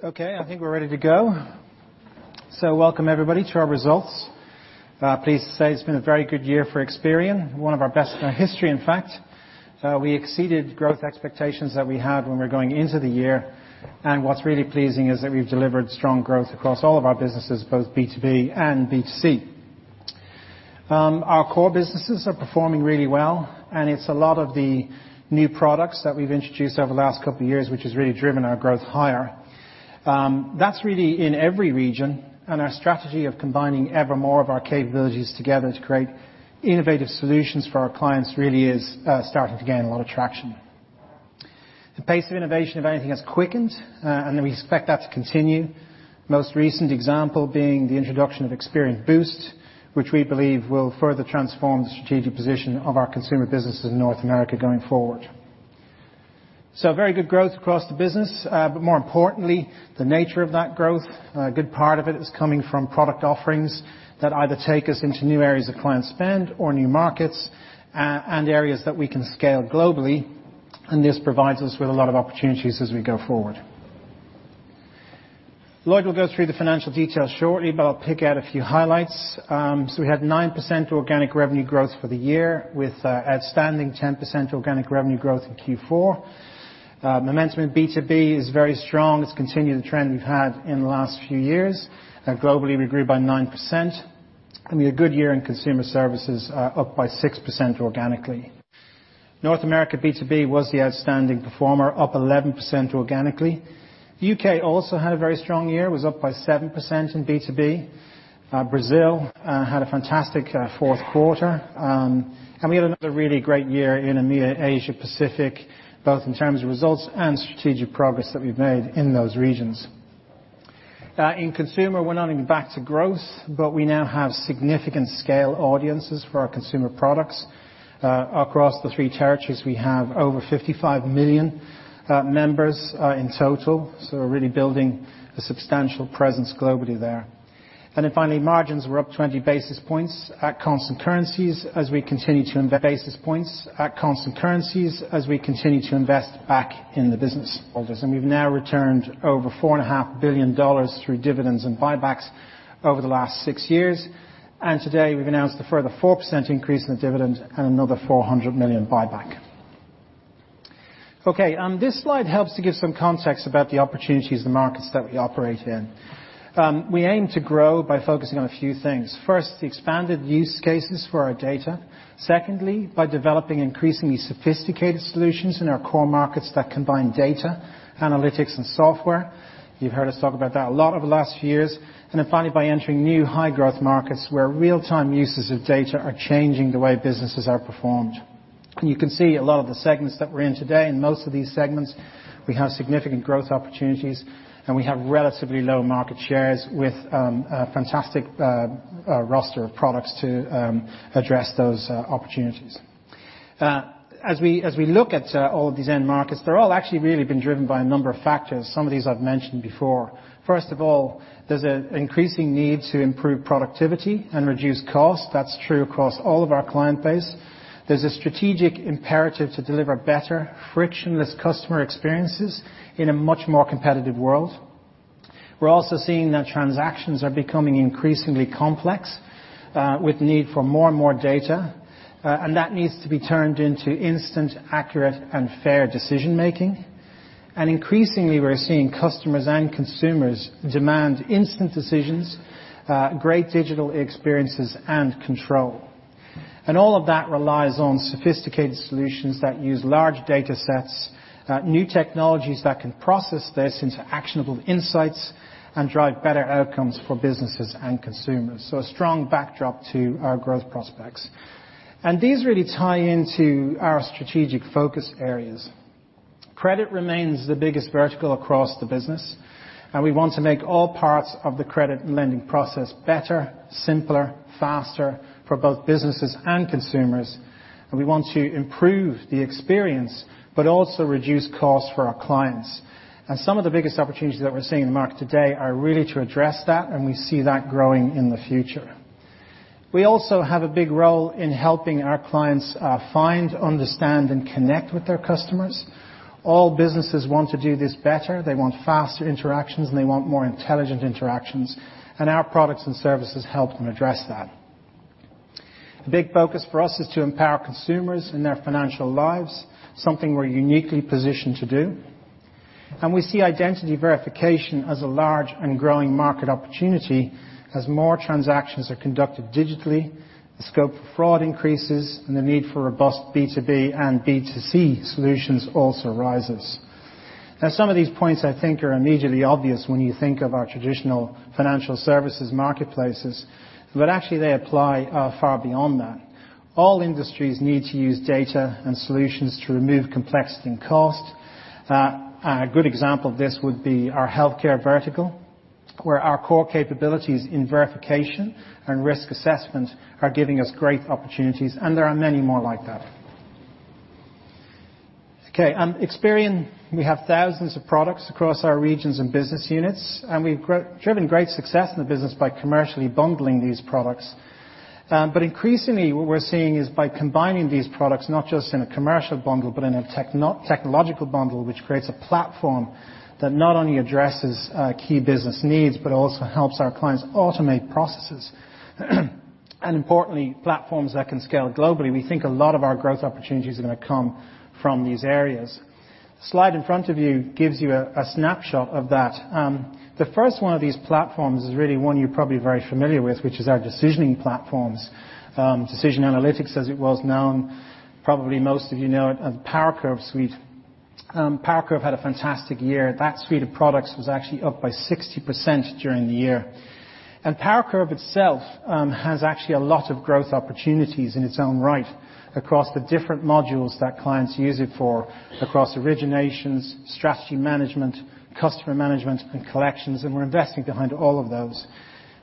Welcome everybody to our results. Pleased to say it's been a very good year for Experian, one of our best in our history, in fact. We exceeded growth expectations that we had when we were going into the year. What's really pleasing is that we've delivered strong growth across all of our businesses, both B2B and B2C. Our core businesses are performing really well, and it's a lot of the new products that we've introduced over the last couple of years which has really driven our growth higher. That's really in every region, and our strategy of combining evermore of our capabilities together to create innovative solutions for our clients really is starting to gain a lot of traction. The pace of innovation, if anything, has quickened. We expect that to continue. Most recent example being the introduction of Experian Boost, which we believe will further transform the strategic position of our consumer businesses in North America going forward. Very good growth across the business, but more importantly, the nature of that growth, a good part of it is coming from product offerings that either take us into new areas of client spend or new markets, and areas that we can scale globally, and this provides us with a lot of opportunities as we go forward. Lloyd will go through the financial details shortly, but I'll pick out a few highlights. We had 9% organic revenue growth for the year, with outstanding 10% organic revenue growth in Q4. Momentum in B2B is very strong. It's continued the trend we've had in the last few years. Globally, we grew by 9%, and we had a good year in consumer services, up by 6% organically. North America B2B was the outstanding performer, up 11% organically. U.K. also had a very strong year, was up by 7% in B2B. Brazil had a fantastic fourth quarter. We had another really great year in EMEA, Asia-Pacific, both in terms of results and strategic progress that we've made in those regions. In consumer, we're not even back to growth, but we now have significant scale audiences for our consumer products. Across the three territories, we have over 55 million members in total, so we're really building a substantial presence globally there. Finally, margins were up 20 basis points at constant currencies as we continue to invest back in the business. We've now returned over $4.5 billion through dividends and buybacks over the last six years. Today, we've announced a further 4% increase in the dividend and another $400 million buyback. Okay. This slide helps to give some context about the opportunities and markets that we operate in. We aim to grow by focusing on a few things. First, the expanded use cases for our data. Secondly, by developing increasingly sophisticated solutions in our core markets that combine data, analytics, and software. You've heard us talk about that a lot over the last few years. Finally, by entering new high growth markets where real-time uses of data are changing the way businesses are performed. You can see a lot of the segments that we're in today. In most of these segments, we have significant growth opportunities, we have relatively low market shares with a fantastic roster of products to address those opportunities. As we look at all of these end markets, they're all actually really been driven by a number of factors. Some of these I've mentioned before. First of all, there's an increasing need to improve productivity and reduce cost. That's true across all of our client base. There's a strategic imperative to deliver better, frictionless customer experiences in a much more competitive world. We're also seeing that transactions are becoming increasingly complex, with need for more and more data, that needs to be turned into instant, accurate, and fair decision-making. Increasingly, we're seeing customers and consumers demand instant decisions, great digital experiences, and control. All of that relies on sophisticated solutions that use large data sets, new technologies that can process this into actionable insights, and drive better outcomes for businesses and consumers. A strong backdrop to our growth prospects. These really tie into our strategic focus areas. Credit remains the biggest vertical across the business, we want to make all parts of the credit and lending process better, simpler, faster for both businesses and consumers. We want to improve the experience, also reduce costs for our clients. Some of the biggest opportunities that we're seeing in the market today are really to address that, we see that growing in the future. We also have a big role in helping our clients find, understand, and connect with their customers. All businesses want to do this better. They want faster interactions, they want more intelligent interactions, our products and services help them address that. A big focus for us is to empower consumers in their financial lives, something we're uniquely positioned to do. We see identity verification as a large and growing market opportunity. As more transactions are conducted digitally, the scope for fraud increases and the need for robust B2B and B2C solutions also rises. Some of these points I think are immediately obvious when you think of our traditional financial services marketplaces, actually they apply far beyond that. All industries need to use data and solutions to remove complexity and cost. A good example of this would be our healthcare vertical, where our core capabilities in verification and risk assessment are giving us great opportunities, and there are many more like that. Okay. Experian, we have thousands of products across our regions and business units, we've driven great success in the business by commercially bundling these products. Increasingly, what we're seeing is by combining these products, not just in a commercial bundle, but in a technological bundle, which creates a platform that not only addresses key business needs, but also helps our clients automate processes. Importantly, platforms that can scale globally. We think a lot of our growth opportunities are going to come from these areas. The slide in front of you gives you a snapshot of that. The first one of these platforms is really one you're probably very familiar with, which is our decisioning platforms. Decision Analytics as it was known, probably most of you know it, and PowerCurve suite. PowerCurve had a fantastic year. That suite of products was actually up by 60% during the year. PowerCurve itself has actually a lot of growth opportunities in its own right across the different modules that clients use it for, across originations, strategy management, customer management, and collections, and we're investing behind all of those.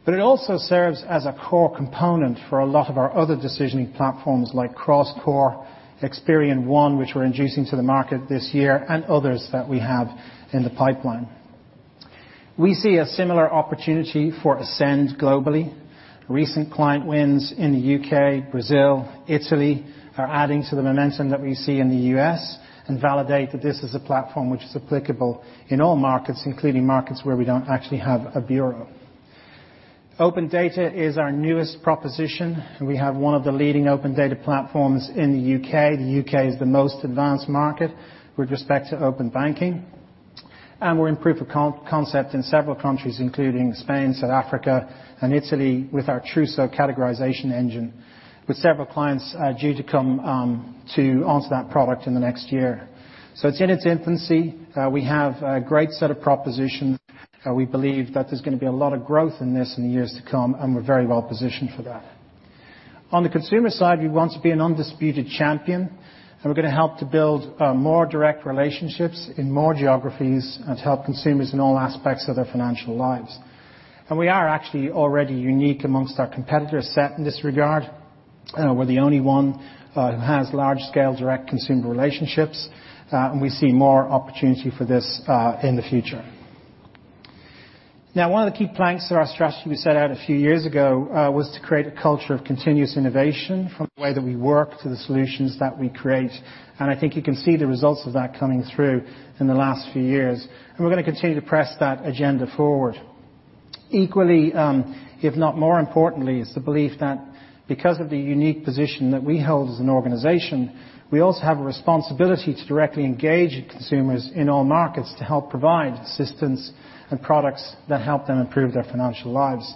It also serves as a core component for a lot of our other decisioning platforms like CrossCore, Experian One, which we're introducing to the market this year, and others that we have in the pipeline. We see a similar opportunity for Ascend globally. Recent client wins in the U.K., Brazil, Italy are adding to the momentum that we see in the U.S. and validate that this is a platform which is applicable in all markets, including markets where we don't actually have a bureau. Open data is our newest proposition, and we have one of the leading open data platforms in the U.K. The U.K. is the most advanced market with respect to open banking. We're in proof of concept in several countries, including Spain, South Africa, and Italy, with our Trusso categorization engine, with several clients due to come onto that product in the next year. It's in its infancy. We have a great set of propositions, and we believe that there's going to be a lot of growth in this in the years to come, and we're very well positioned for that. On the consumer side, we want to be an undisputed champion, and we're going to help to build more direct relationships in more geographies and help consumers in all aspects of their financial lives. We are actually already unique amongst our competitor set in this regard. We're the only one who has large-scale direct consumer relationships, and we see more opportunity for this in the future. One of the key planks of our strategy we set out a few years ago was to create a culture of continuous innovation from the way that we work to the solutions that we create. I think you can see the results of that coming through in the last few years, and we're going to continue to press that agenda forward. Equally, if not more importantly, is the belief that because of the unique position that we hold as an organization, we also have a responsibility to directly engage with consumers in all markets to help provide assistance and products that help them improve their financial lives.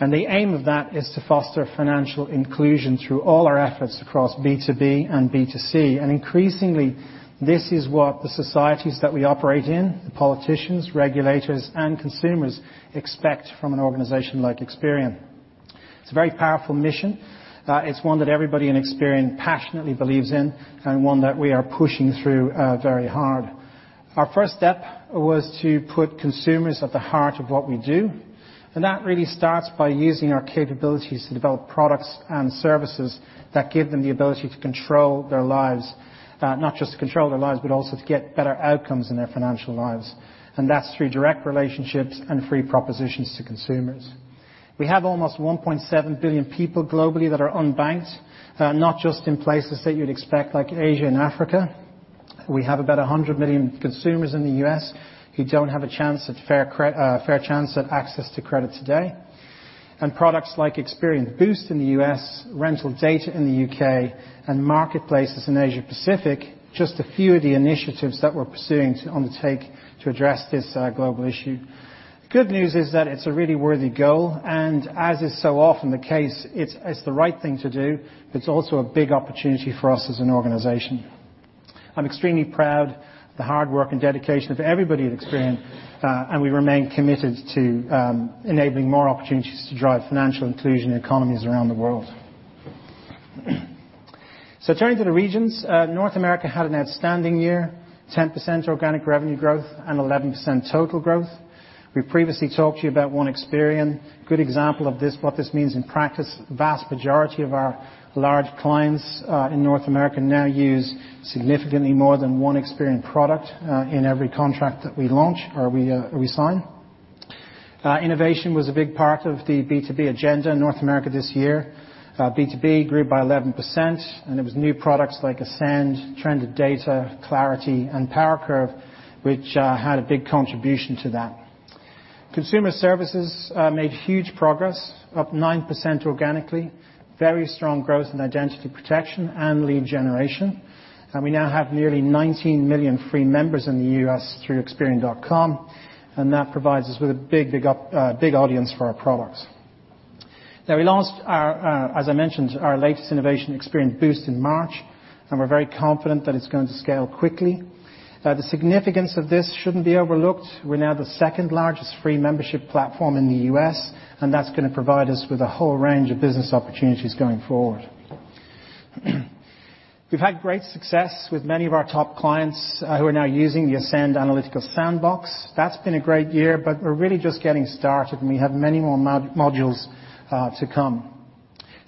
The aim of that is to foster financial inclusion through all our efforts across B2B and B2C. Increasingly, this is what the societies that we operate in, the politicians, regulators, and consumers expect from an organization like Experian. It's a very powerful mission. It's one that everybody in Experian passionately believes in and one that we are pushing through very hard. Our first step was to put consumers at the heart of what we do, and that really starts by using our capabilities to develop products and services that give them the ability to control their lives. Not just to control their lives, but also to get better outcomes in their financial lives. That's through direct relationships and free propositions to consumers. We have almost 1.7 billion people globally that are unbanked, not just in places that you'd expect, like Asia and Africa. We have about 100 million consumers in the U.S. who don't have a fair chance at access to credit today. Products like Experian Boost in the U.S., Rental Data in the U.K., and Marketplaces in Asia Pacific, just a few of the initiatives that we're pursuing to undertake to address this global issue. The good news is that it's a really worthy goal, and as is so often the case, it's the right thing to do, but it's also a big opportunity for us as an organization. I'm extremely proud of the hard work and dedication of everybody at Experian, and we remain committed to enabling more opportunities to drive financial inclusion in economies around the world. Turning to the regions, North America had an outstanding year, 10% organic revenue growth and 11% total growth. We previously talked to you about One Experian. Good example of what this means in practice. The vast majority of our large clients in North America now use significantly more than one Experian product in every contract that we launch or we sign. Innovation was a big part of the B2B agenda in North America this year. B2B grew by 11%, and it was new products like Ascend, Trended Data, Clarity, and PowerCurve, which had a big contribution to that. Consumer services made huge progress, up 9% organically. Very strong growth in identity protection and lead generation. We now have nearly 19 million free members in the U.S. through experian.com, and that provides us with a big audience for our products. We launched, as I mentioned, our latest innovation, Experian Boost in March, and we're very confident that it's going to scale quickly. The significance of this shouldn't be overlooked. We're now the second-largest free membership platform in the U.S., and that's going to provide us with a whole range of business opportunities going forward. We've had great success with many of our top clients who are now using the Ascend Analytical Sandbox. That's been a great year, but we're really just getting started, and we have many more modules to come.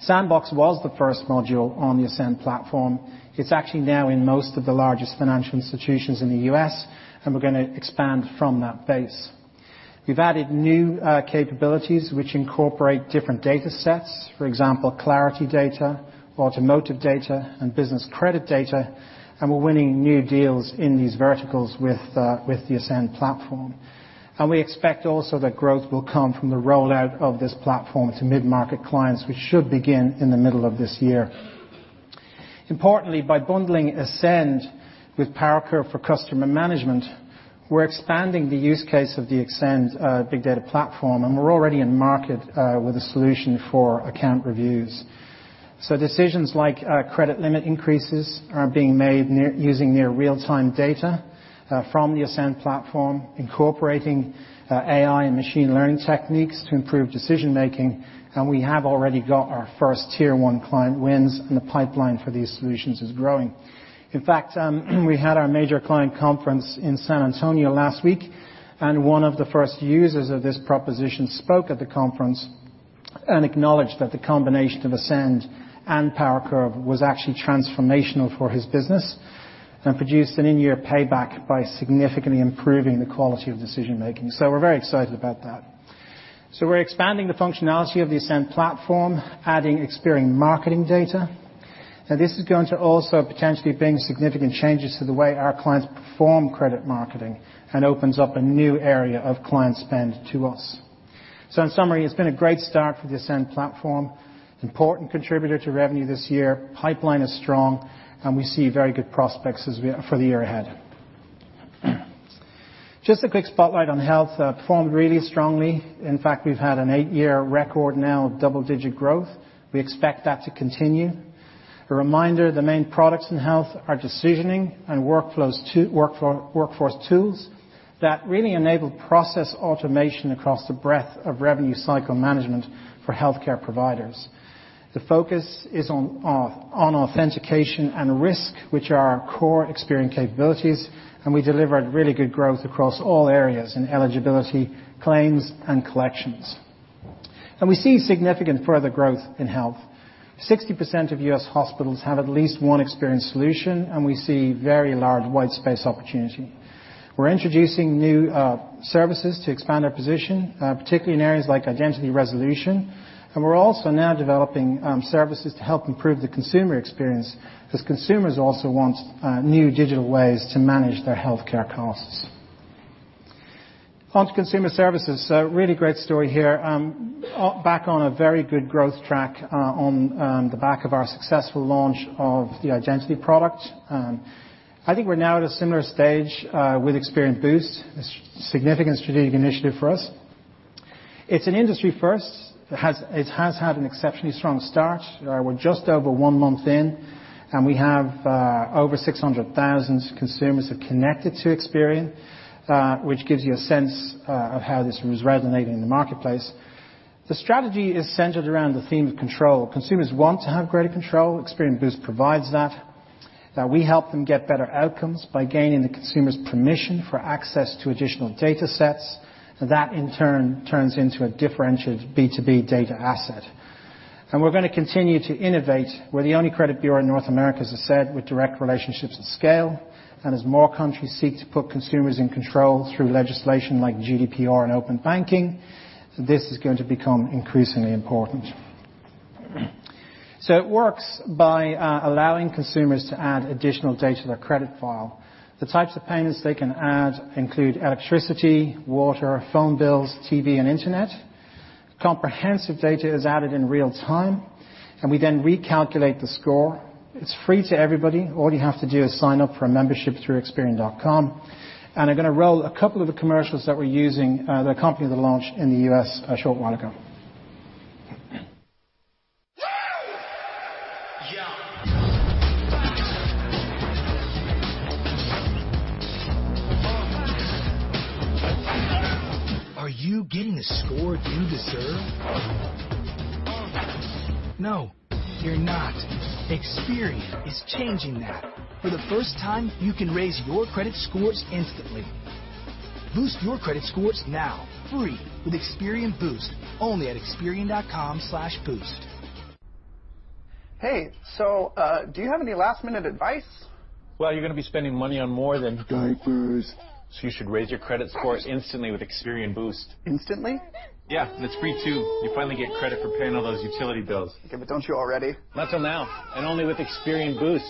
Sandbox was the first module on the Ascend platform. It's actually now in most of the largest financial institutions in the U.S., and we're going to expand from that base. We've added new capabilities which incorporate different data sets. For example, Clarity data, automotive data, and business credit data, and we're winning new deals in these verticals with the Ascend platform. We expect also that growth will come from the rollout of this platform to mid-market clients, which should begin in the middle of this year. Importantly, by bundling Ascend with PowerCurve for customer management, we're expanding the use case of the Ascend Big Data platform, and we're already in market with a solution for account reviews. Decisions like credit limit increases are being made using near real-time data from the Ascend platform, incorporating AI and machine learning techniques to improve decision-making. We have already got our first tier 1 client wins, and the pipeline for these solutions is growing. In fact, we had our major client conference in San Antonio last week, and one of the first users of this proposition spoke at the conference and acknowledged that the combination of Ascend and PowerCurve was actually transformational for his business and produced an in-year payback by significantly improving the quality of decision-making. We're very excited about that. We're expanding the functionality of the Ascend platform, adding Experian marketing data. This is going to also potentially bring significant changes to the way our clients perform credit marketing and opens up a new area of client spend to us. In summary, it's been a great start for the Ascend platform. Important contributor to revenue this year. Pipeline is strong, and we see very good prospects for the year ahead. Just a quick spotlight on health. Performed really strongly. In fact, we've had an eight-year record now of double-digit growth. We expect that to continue. A reminder, the main products in health are decisioning and workforce tools that really enable process automation across the breadth of revenue cycle management for healthcare providers. The focus is on authentication and risk, which are our core Experian capabilities. We delivered really good growth across all areas in eligibility, claims, and collections. We see significant further growth in health. 60% of U.S. hospitals have at least one Experian solution, and we see very large white space opportunity. We're introducing new services to expand our position, particularly in areas like identity resolution, and we're also now developing services to help improve the consumer experience, as consumers also want new digital ways to manage their healthcare costs. Onto consumer services. A really great story here. Back on a very good growth track on the back of our successful launch of the identity product. I think we're now at a similar stage, with Experian Boost, a significant strategic initiative for us. It's an industry first. It has had an exceptionally strong start. We're just over one month in, and we have over 600,000 consumers have connected to Experian, which gives you a sense of how this is resonating in the marketplace. The strategy is centered around the theme of control. Consumers want to have greater control. Experian Boost provides that. We help them get better outcomes by gaining the consumer's permission for access to additional data sets. That in turn turns into a differentiated B2B data asset. We're going to continue to innovate. We're the only credit bureau in North America, as I said, with direct relationships at scale. As more countries seek to put consumers in control through legislation like GDPR and open banking, this is going to become increasingly important. It works by allowing consumers to add additional data to their credit file. The types of payments they can add include electricity, water, phone bills, TV, and internet. Comprehensive data is added in real time. We then recalculate the score. It's free to everybody. All you have to do is sign up for a membership through experian.com. I'm going to roll a couple of the commercials that we're using that accompanied the launch in the U.S. a short while ago. Woo! Yeah. Are you getting the score you deserve? No, you're not. Experian is changing that. For the first time, you can raise your credit scores instantly. Boost your credit scores now free with Experian Boost only at experian.com/boost. Hey, do you have any last-minute advice? Well, you're going to be spending money on more than diapers, you should raise your credit score instantly with Experian Boost. Instantly? Yeah, it's free, too. You finally get credit for paying all those utility bills. Okay, don't you already? Not till now, only with Experian Boost.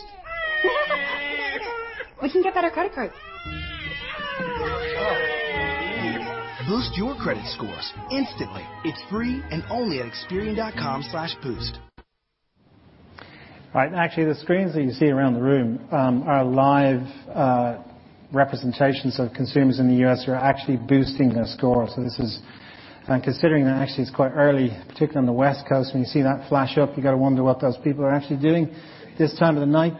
We can get better credit cards. Boost your credit scores instantly. It's free and only at experian.com/boost. Right. Actually, the screens that you see around the room, are live representations of consumers in the U.S. who are actually boosting their score. Considering that actually it's quite early, particularly on the West Coast, when you see that flash up, you got to wonder what those people are actually doing this time of the night.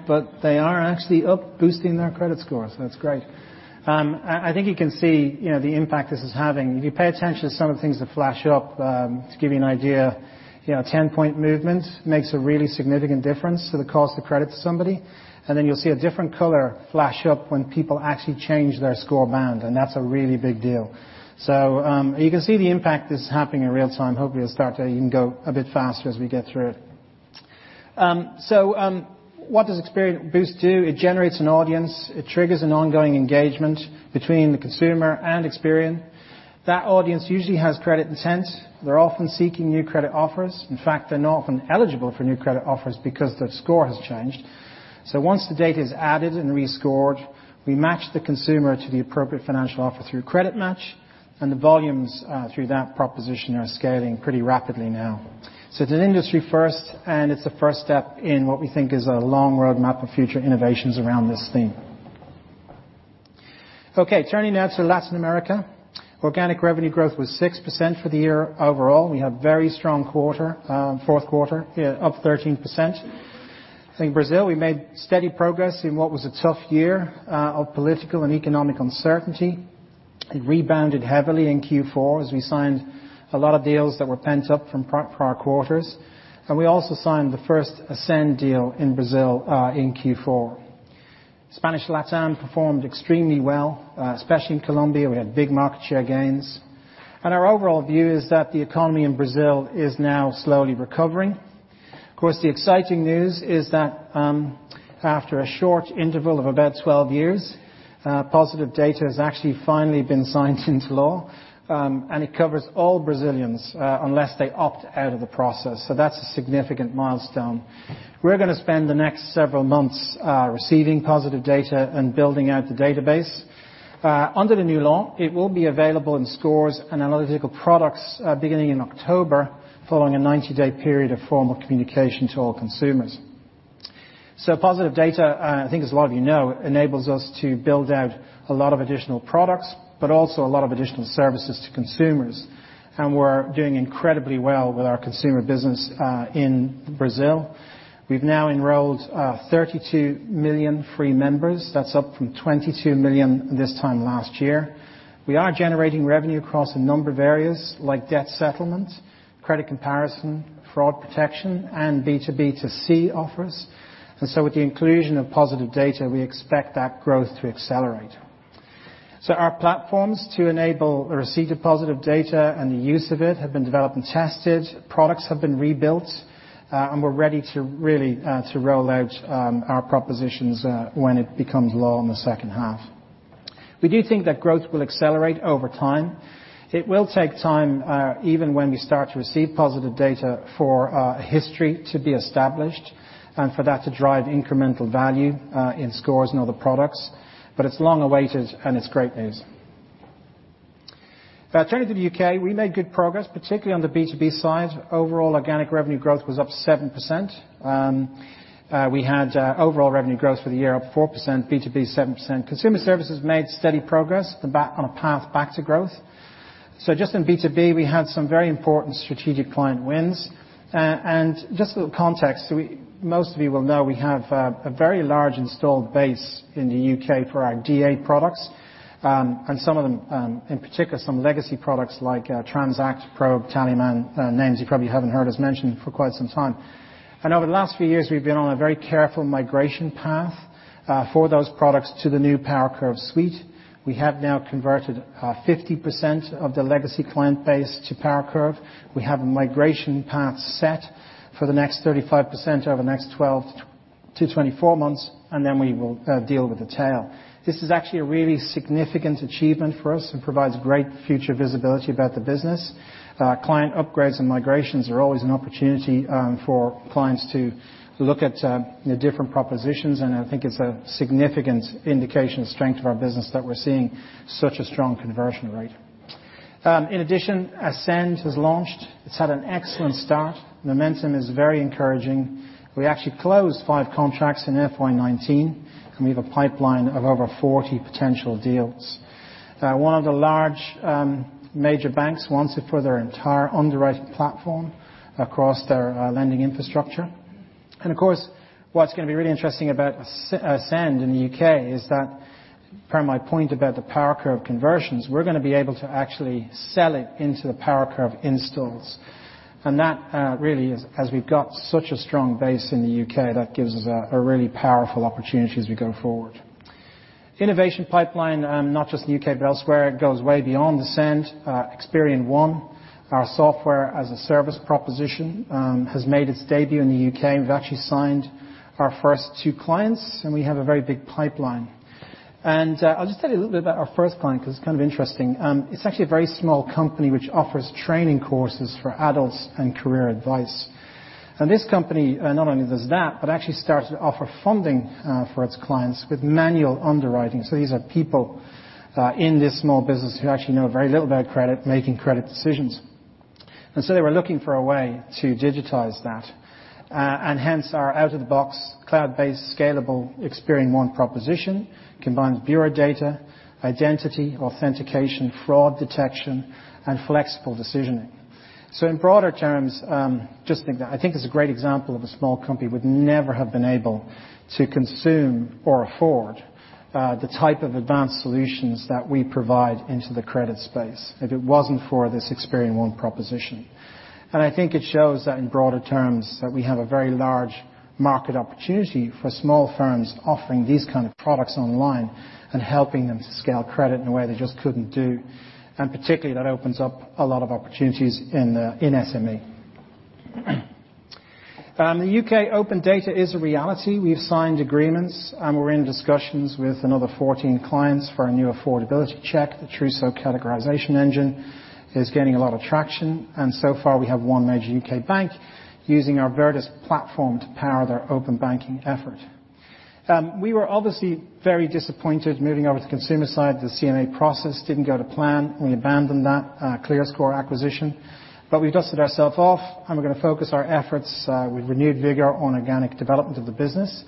They are actually up boosting their credit scores. That's great. I think you can see the impact this is having. If you pay attention to some of the things that flash up, to give you an idea, a 10-point movement makes a really significant difference to the cost of credit to somebody. Then you'll see a different color flash up when people actually change their score band, and that's a really big deal. You can see the impact that's happening in real time. Hopefully, it'll start to even go a bit faster as we get through. What does Experian Boost do? It generates an audience. It triggers an ongoing engagement between the consumer and Experian. That audience usually has credit intent. They're often seeking new credit offers. In fact, they're not often eligible for new credit offers because their score has changed. Once the data is added and rescored, we match the consumer to the appropriate financial offer through CreditMatch, the volumes through that proposition are scaling pretty rapidly now. It's an industry first, and it's a first step in what we think is a long roadmap of future innovations around this theme. Okay, turning now to Latin America. Organic revenue growth was 6% for the year overall. We had very strong fourth quarter, up 13%. I think Brazil, we made steady progress in what was a tough year of political and economic uncertainty. It rebounded heavily in Q4 as we signed a lot of deals that were pent up from prior quarters. We also signed the first Ascend deal in Brazil in Q4. Spanish LatAm performed extremely well, especially in Colombia. We had big market share gains. Our overall view is that the economy in Brazil is now slowly recovering. Of course, the exciting news is that, after a short interval of about 12 years, Positive Data has actually finally been signed into law. It covers all Brazilians, unless they opt out of the process. That's a significant milestone. We're going to spend the next several months receiving Positive Data and building out the database. Under the new law, it will be available in scores and analytical products beginning in October, following a 90-day period of formal communication to all consumers. Positive Data, I think as a lot of you know, enables us to build out a lot of additional products, but also a lot of additional services to consumers. We're doing incredibly well with our consumer business in Brazil. We've now enrolled 32 million free members. That's up from 22 million this time last year. We are generating revenue across a number of areas like debt settlement, credit comparison, fraud protection, and B2B2C offers. With the inclusion of Positive Data, we expect that growth to accelerate. Our platforms to enable the receipt of Positive Data and the use of it have been developed and tested, products have been rebuilt, and we're ready to really roll out our propositions when it becomes law in the second half. We do think that growth will accelerate over time. It will take time, even when we start to receive Positive Data, for a history to be established and for that to drive incremental value in scores and other products. It's long awaited, and it's great news. Turning to the U.K. We made good progress, particularly on the B2B side. Overall, organic revenue growth was up 7%. We had overall revenue growth for the year up 4%, B2B 7%. Consumer services made steady progress on a path back to growth. Just in B2B, we had some very important strategic client wins. Just a little context, most of you will know we have a very large installed base in the U.K. for our DA products. Some of them, in particular, some legacy products like Transact, Probe, Tallyman, names you probably haven't heard us mention for quite some time. Over the last few years, we've been on a very careful migration path for those products to the new PowerCurve suite. We have now converted 50% of the legacy client base to PowerCurve. We have a migration path set for the next 35% over the next 12 to 24 months, and then we will deal with the tail. This is actually a really significant achievement for us and provides great future visibility about the business. Client upgrades and migrations are always an opportunity for clients to look at the different propositions, I think it's a significant indication of the strength of our business that we're seeing such a strong conversion rate. In addition, Ascend has launched. It's had an excellent start. Momentum is very encouraging. We actually closed five contracts in FY 2019, and we have a pipeline of over 40 potential deals. One of the large major banks wants it for their entire underwriting platform across their lending infrastructure. Of course, what's going to be really interesting about Ascend in the U.K. is that, per my point about the PowerCurve conversions, we're going to be able to actually sell it into the PowerCurve installs. That really is, as we've got such a strong base in the U.K., that gives us a really powerful opportunity as we go forward. Innovation pipeline, not just in the U.K. but elsewhere, goes way beyond Ascend. Experian One, our software-as-a-service proposition, has made its debut in the U.K., we've actually signed our first two clients, and we have a very big pipeline. I'll just tell you a little bit about our first client because it's kind of interesting. It's actually a very small company which offers training courses for adults and career advice. This company not only does that, but actually starts to offer funding for its clients with manual underwriting. These are people in this small business who actually know very little about credit making credit decisions. They were looking for a way to digitize that. Hence our out-of-the-box, cloud-based, scalable Experian One proposition combines bureau data, identity, authentication, fraud detection, and flexible decisioning. In broader terms, I think it's a great example of a small company would never have been able to consume or afford the type of advanced solutions that we provide into the credit space if it wasn't for this Experian One proposition. I think it shows that in broader terms that we have a very large market opportunity for small firms offering these kind of products online and helping them to scale credit in a way they just couldn't do. Particularly, that opens up a lot of opportunities in SME. The U.K. Open Data is a reality. We've signed agreements, and we're in discussions with another 14 clients for our new affordability check. The Truso categorization engine is gaining a lot of traction, and so far we have one major U.K. bank using our Verdus platform to power their open banking effort. We were obviously very disappointed moving over to the consumer side. The CMA process didn't go to plan. We abandoned that ClearScore acquisition. We've dusted ourself off, and we're going to focus our efforts with renewed vigor on organic development of the business.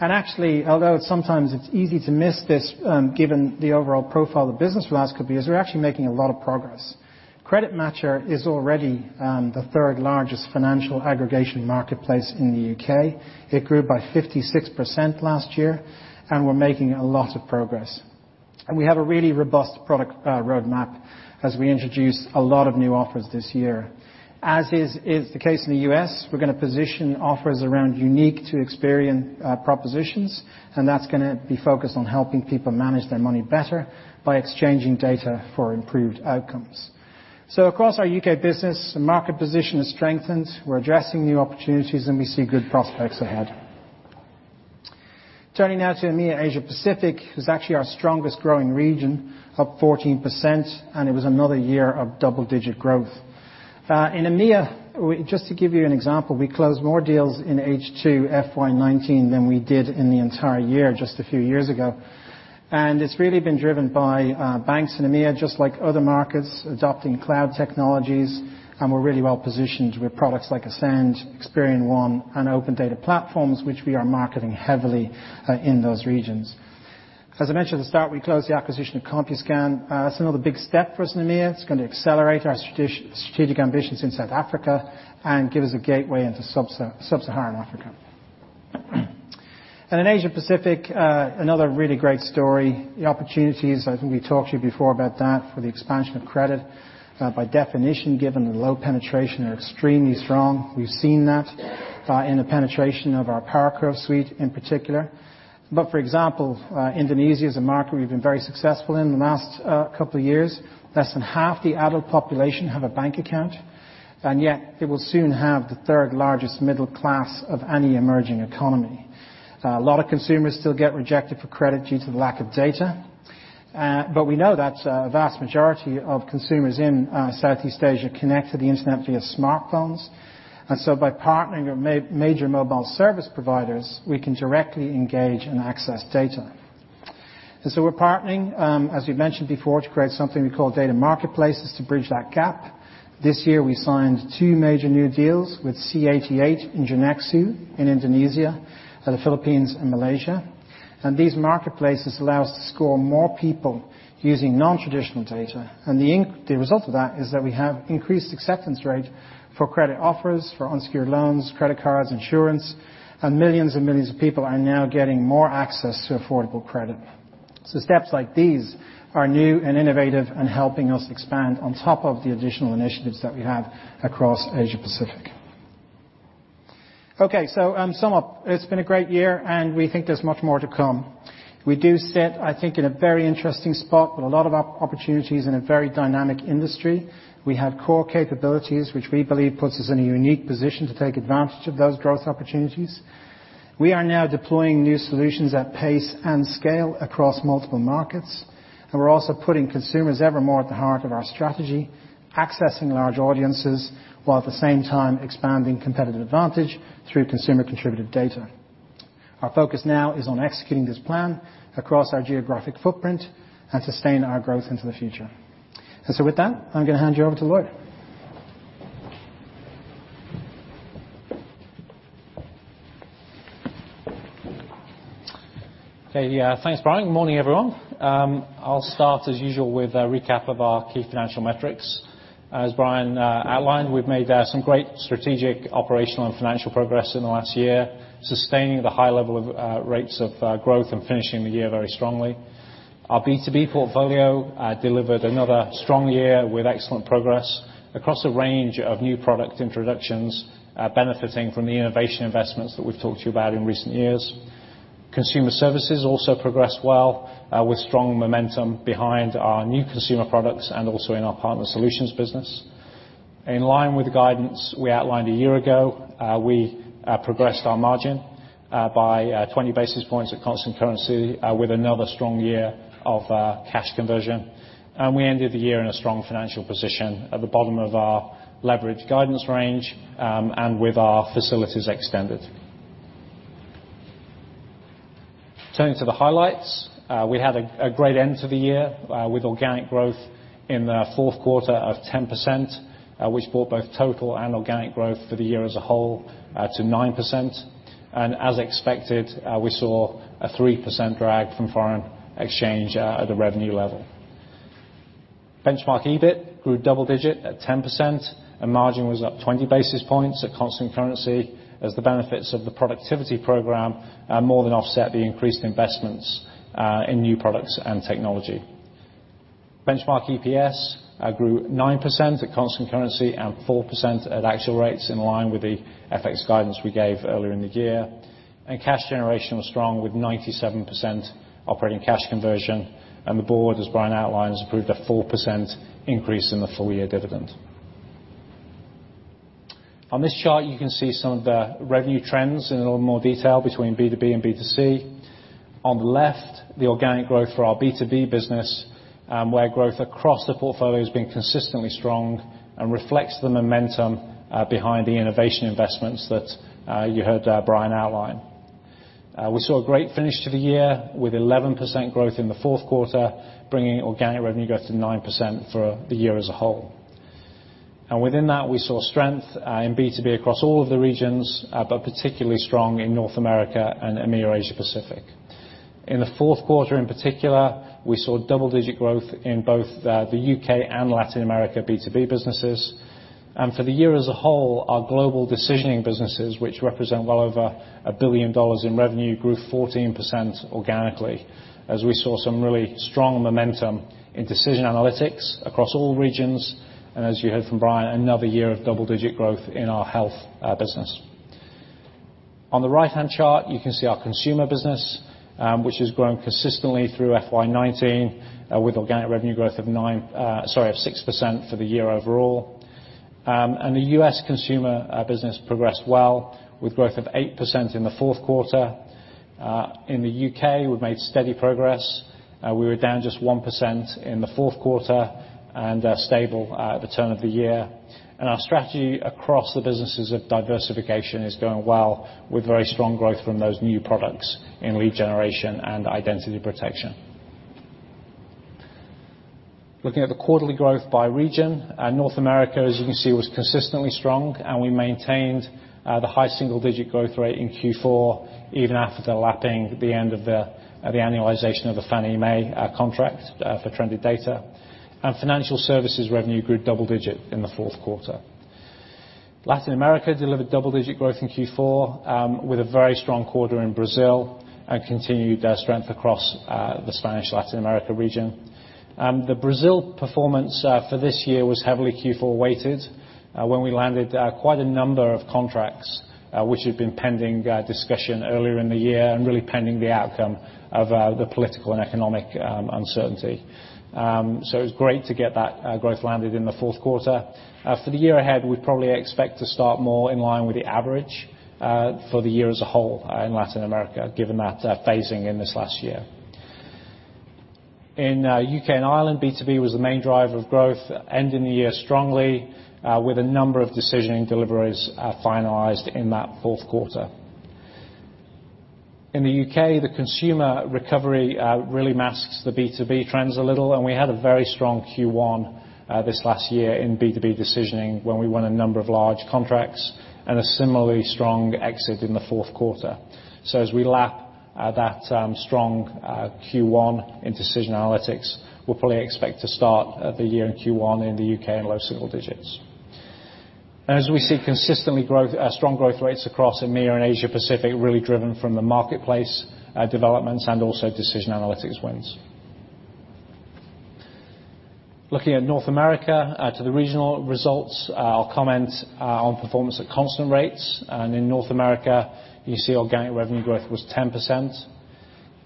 Actually, although sometimes it's easy to miss this, given the overall profile of business for the last couple years, we're actually making a lot of progress. CreditMatcher is already the third largest financial aggregation marketplace in the U.K. It grew by 56% last year, we're making a lot of progress. We have a really robust product roadmap as we introduce a lot of new offers this year. As is the case in the U.S., we're going to position offers around unique to Experian propositions, and that's going to be focused on helping people manage their money better by exchanging data for improved outcomes. Across our U.K. business, the market position has strengthened. We're addressing new opportunities, and we see good prospects ahead. Turning now to EMEA, Asia Pacific is actually our strongest growing region, up 14%, and it was another year of double-digit growth. In EMEA, just to give you an example, we closed more deals in H2 FY 2019 than we did in the entire year just a few years ago. It's really been driven by banks in EMEA, just like other markets, adopting cloud technologies, and we're really well-positioned with products like Ascend, Experian One, and Open Data Platforms, which we are marketing heavily in those regions. As I mentioned at the start, we closed the acquisition of Compuscan. That's another big step for us in EMEA. It's going to accelerate our strategic ambitions in South Africa and give us a gateway into sub-Saharan Africa. In Asia Pacific, another really great story. The opportunities, I think we talked to you before about that, for the expansion of credit, by definition, given the low penetration, are extremely strong. We've seen that in the penetration of our PowerCurve suite in particular. For example, Indonesia is a market we've been very successful in the last couple of years. Less than half the adult population have a bank account, and yet it will soon have the third largest middle class of any emerging economy. A lot of consumers still get rejected for credit due to the lack of data. We know that a vast majority of consumers in Southeast Asia connect to the internet via smartphones. By partnering with major mobile service providers, we can directly engage and access data. We're partnering, as we've mentioned before, to create something we call data marketplaces to bridge that gap. This year, we signed two major new deals with C88 and Jirnexu in Indonesia, and the Philippines and Malaysia. These marketplaces allow us to score more people using non-traditional data. The result of that is that we have increased acceptance rate for credit offers, for unsecured loans, credit cards, insurance, and millions and millions of people are now getting more access to affordable credit. Steps like these are new and innovative and helping us expand on top of the additional initiatives that we have across Asia Pacific. Okay. Sum up. It's been a great year, and we think there's much more to come. We do sit, I think, in a very interesting spot with a lot of opportunities in a very dynamic industry. We have core capabilities, which we believe puts us in a unique position to take advantage of those growth opportunities. We are now deploying new solutions at pace and scale across multiple markets, and we're also putting consumers ever more at the heart of our strategy, accessing large audiences, while at the same time expanding competitive advantage through consumer contributed data. Our focus now is on executing this plan across our geographic footprint and sustain our growth into the future. With that, I'm going to hand you over to Lloyd. Okay. Yeah, thanks, Brian. Morning, everyone. I'll start as usual with a recap of our key financial metrics. As Brian outlined, we've made some great strategic, operational, and financial progress in the last year, sustaining the high level of rates of growth and finishing the year very strongly. Our B2B portfolio delivered another strong year with excellent progress across a range of new product introductions, benefiting from the innovation investments that we've talked to you about in recent years. Consumer services also progressed well, with strong momentum behind our new consumer products and also in our partner solutions business. In line with the guidance we outlined a year ago, we progressed our margin by 20 basis points at constant currency with another strong year of cash conversion. We ended the year in a strong financial position at the bottom of our leverage guidance range, and with our facilities extended. Turning to the highlights. We had a great end to the year with organic growth in the fourth quarter of 10%, which brought both total and organic growth for the year as a whole to 9%. As expected, we saw a 3% drag from foreign exchange at the revenue level. Benchmark EBIT grew double digit at 10%, and margin was up 20 basis points at constant currency as the benefits of the productivity program more than offset the increased investments in new products and technology. Benchmark EPS grew 9% at constant currency and 4% at actual rates in line with the FX guidance we gave earlier in the year. Cash generation was strong with 97% operating cash conversion, and the board, as Brian outlined, has approved a 4% increase in the full year dividend. On this chart, you can see some of the revenue trends in a little more detail between B2B and B2C. On the left, the organic growth for our B2B business, where growth across the portfolio has been consistently strong and reflects the momentum behind the innovation investments that you heard Brian outline. We saw a great finish to the year with 11% growth in the fourth quarter, bringing organic revenue growth to 9% for the year as a whole. Within that, we saw strength in B2B across all of the regions, but particularly strong in North America and EMEA, Asia Pacific. In the fourth quarter in particular, we saw double-digit growth in both the U.K. and Latin America B2B businesses. For the year as a whole, our global Decision Analytics businesses, which represent well over a billion dollars in revenue, grew 14% organically as we saw some really strong momentum in Decision Analytics across all regions, and as you heard from Brian, another year of double-digit growth in our health business. On the right-hand chart, you can see our consumer business, which has grown consistently through FY 2019, with organic revenue growth of 6% for the year overall. The U.S. consumer business progressed well, with growth of 8% in the fourth quarter. In the U.K., we've made steady progress. We were down just 1% in the fourth quarter and are stable at the turn of the year. Our strategy across the businesses of diversification is going well, with very strong growth from those new products in lead generation and identity protection. Looking at the quarterly growth by region, North America, as you can see, was consistently strong, and we maintained the high single-digit growth rate in Q4, even after lapping the end of the annualization of the Fannie Mae contract for Trended Data. Financial services revenue grew double-digit in the fourth quarter. Latin America delivered double-digit growth in Q4 with a very strong quarter in Brazil and continued strength across the Spanish Latin America region. The Brazil performance for this year was heavily Q4 weighted when we landed quite a number of contracts which had been pending discussion earlier in the year and really pending the outcome of the political and economic uncertainty. It was great to get that growth landed in the fourth quarter. For the year ahead, we'd probably expect to start more in line with the average for the year as a whole in Latin America, given that phasing in this last year. In U.K. and Ireland, B2B was the main driver of growth, ending the year strongly with a number of decisioning deliveries finalized in that fourth quarter. In the U.K., the consumer recovery really masks the B2B trends a little. We had a very strong Q1 this last year in B2B decisioning, when we won a number of large contracts, and a similarly strong exit in the fourth quarter. As we lap that strong Q1 in Decision Analytics, we'll probably expect to start the year in Q1 in the U.K. in low single digits. As we see consistently strong growth rates across EMEA and Asia Pacific, really driven from the marketplace developments and also Decision Analytics wins. Looking at North America, to the regional results, I'll comment on performance at constant rates. In North America, you see organic revenue growth was 10%.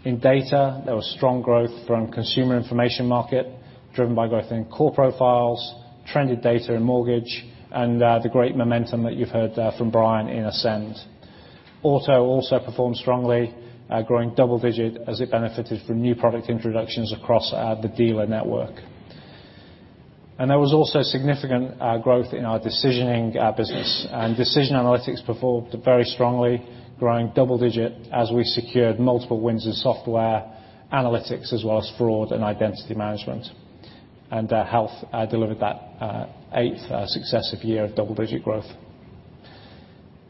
In data, there was strong growth from consumer information market, driven by growth in core profiles, Trended Data and mortgage, and the great momentum that you've heard from Brian in Ascend. Auto also performed strongly, growing double-digit as it benefited from new product introductions across the dealer network. There was also significant growth in our decisioning business, and Decision Analytics performed very strongly, growing double-digit as we secured multiple wins in software analytics as well as fraud and identity management. Health delivered that eighth successive year of double-digit growth.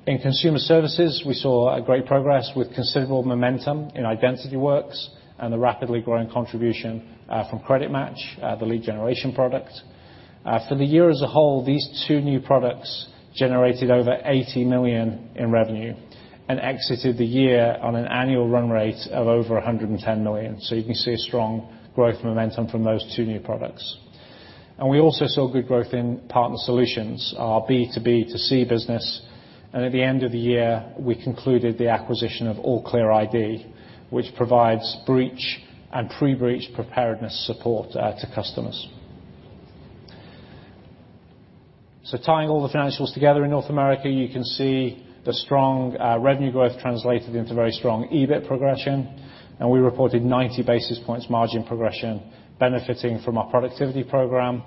In consumer services, we saw great progress with considerable momentum in IdentityWorks and the rapidly growing contribution from CreditMatch, the lead generation product. For the year as a whole, these two new products generated over $80 million in revenue and exited the year on an annual run rate of over $110 million. You can see a strong growth momentum from those two new products. We also saw good growth in partner solutions, our B2B2C business. At the end of the year, we concluded the acquisition of AllClear ID, which provides breach and pre-breach preparedness support to customers. Tying all the financials together in North America, you can see the strong revenue growth translated into very strong EBIT progression. We reported 90 basis points margin progression benefiting from our productivity program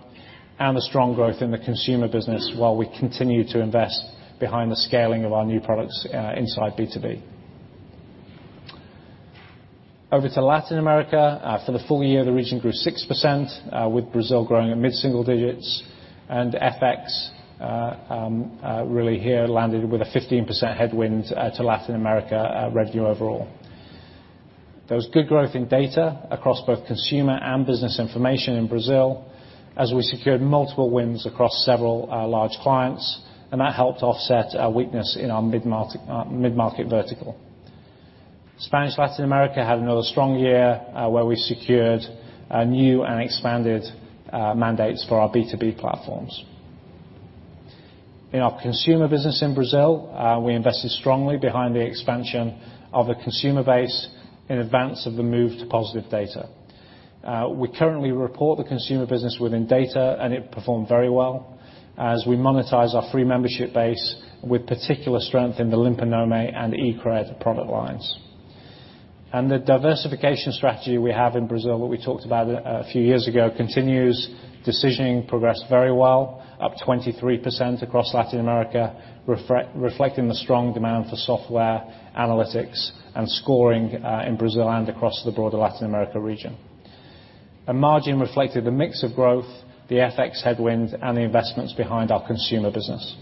and the strong growth in the consumer business while we continue to invest behind the scaling of our new products inside B2B. Over to Latin America. For the full year, the region grew 6%, with Brazil growing at mid-single digits. FX really here landed with a 15% headwind to Latin America revenue overall. There was good growth in data across both consumer and business information in Brazil, as we secured multiple wins across several large clients, and that helped offset our weakness in our mid-market vertical. Spanish Latin America had another strong year where we secured new and expanded mandates for our B2B platforms. In our consumer business in Brazil, we invested strongly behind the expansion of the consumer base in advance of the move to positive data. We currently report the consumer business within data, and it performed very well as we monetize our free membership base with particular strength in the Limpa Nome and e-cred product lines. The diversification strategy we have in Brazil, what we talked about a few years ago, continues. Decisioning progressed very well, up 23% across Latin America, reflecting the strong demand for software analytics and scoring in Brazil and across the broader Latin America region. Margin reflected the mix of growth, the FX headwind, and the investments behind our consumer business.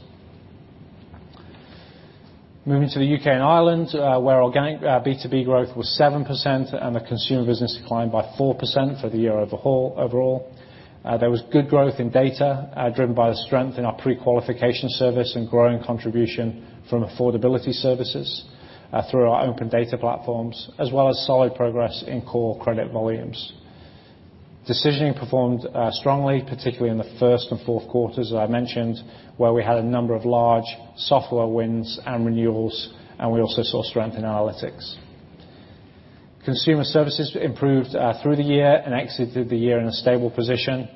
Moving to the U.K. and Ireland, where organic B2B growth was 7% and the consumer business declined by 4% for the year overall. There was good growth in data, driven by the strength in our pre-qualification service and growing contribution from affordability services through our open data platforms, as well as solid progress in core credit volumes. Decisioning performed strongly, particularly in the first and fourth quarters, as I mentioned, where we had a number of large software wins and renewals, and we also saw strength in analytics. Consumer services improved through the year and exited the year in a stable position.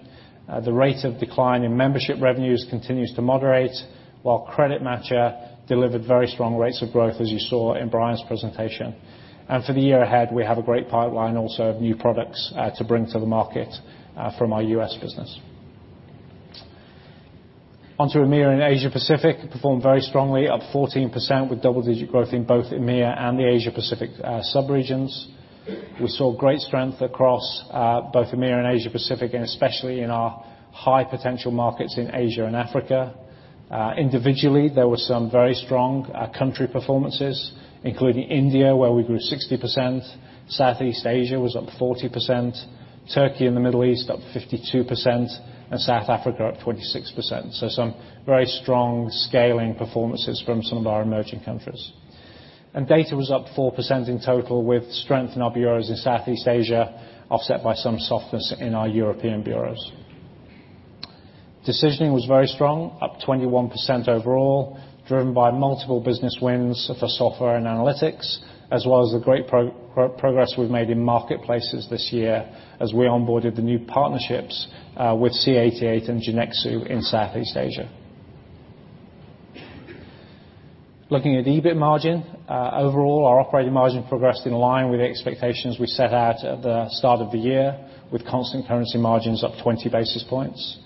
The rate of decline in membership revenues continues to moderate, while CreditMatcher delivered very strong rates of growth, as you saw in Brian's presentation. For the year ahead, we have a great pipeline also of new products to bring to the market from our U.S. business. On to EMEA and Asia Pacific, performed very strongly, up 14% with double-digit growth in both EMEA and the Asia Pacific sub-regions. We saw great strength across both EMEA and Asia Pacific, especially in our high-potential markets in Asia and Africa. Individually, there were some very strong country performances, including India, where we grew 60%, Southeast Asia was up 40%, Turkey and the Middle East up 52%, and South Africa up 26%. Some very strong scaling performances from some of our emerging countries. Data was up 4% in total, with strength in our bureaus in Southeast Asia, offset by some softness in our European bureaus. Decisioning was very strong, up 21% overall, driven by multiple business wins for software and analytics, as well as the great progress we've made in marketplaces this year as we onboarded the new partnerships with C88 and Jirnexu in Southeast Asia. Looking at EBIT margin. Overall, our operating margin progressed in line with the expectations we set out at the start of the year, with constant currency margins up 20 basis points.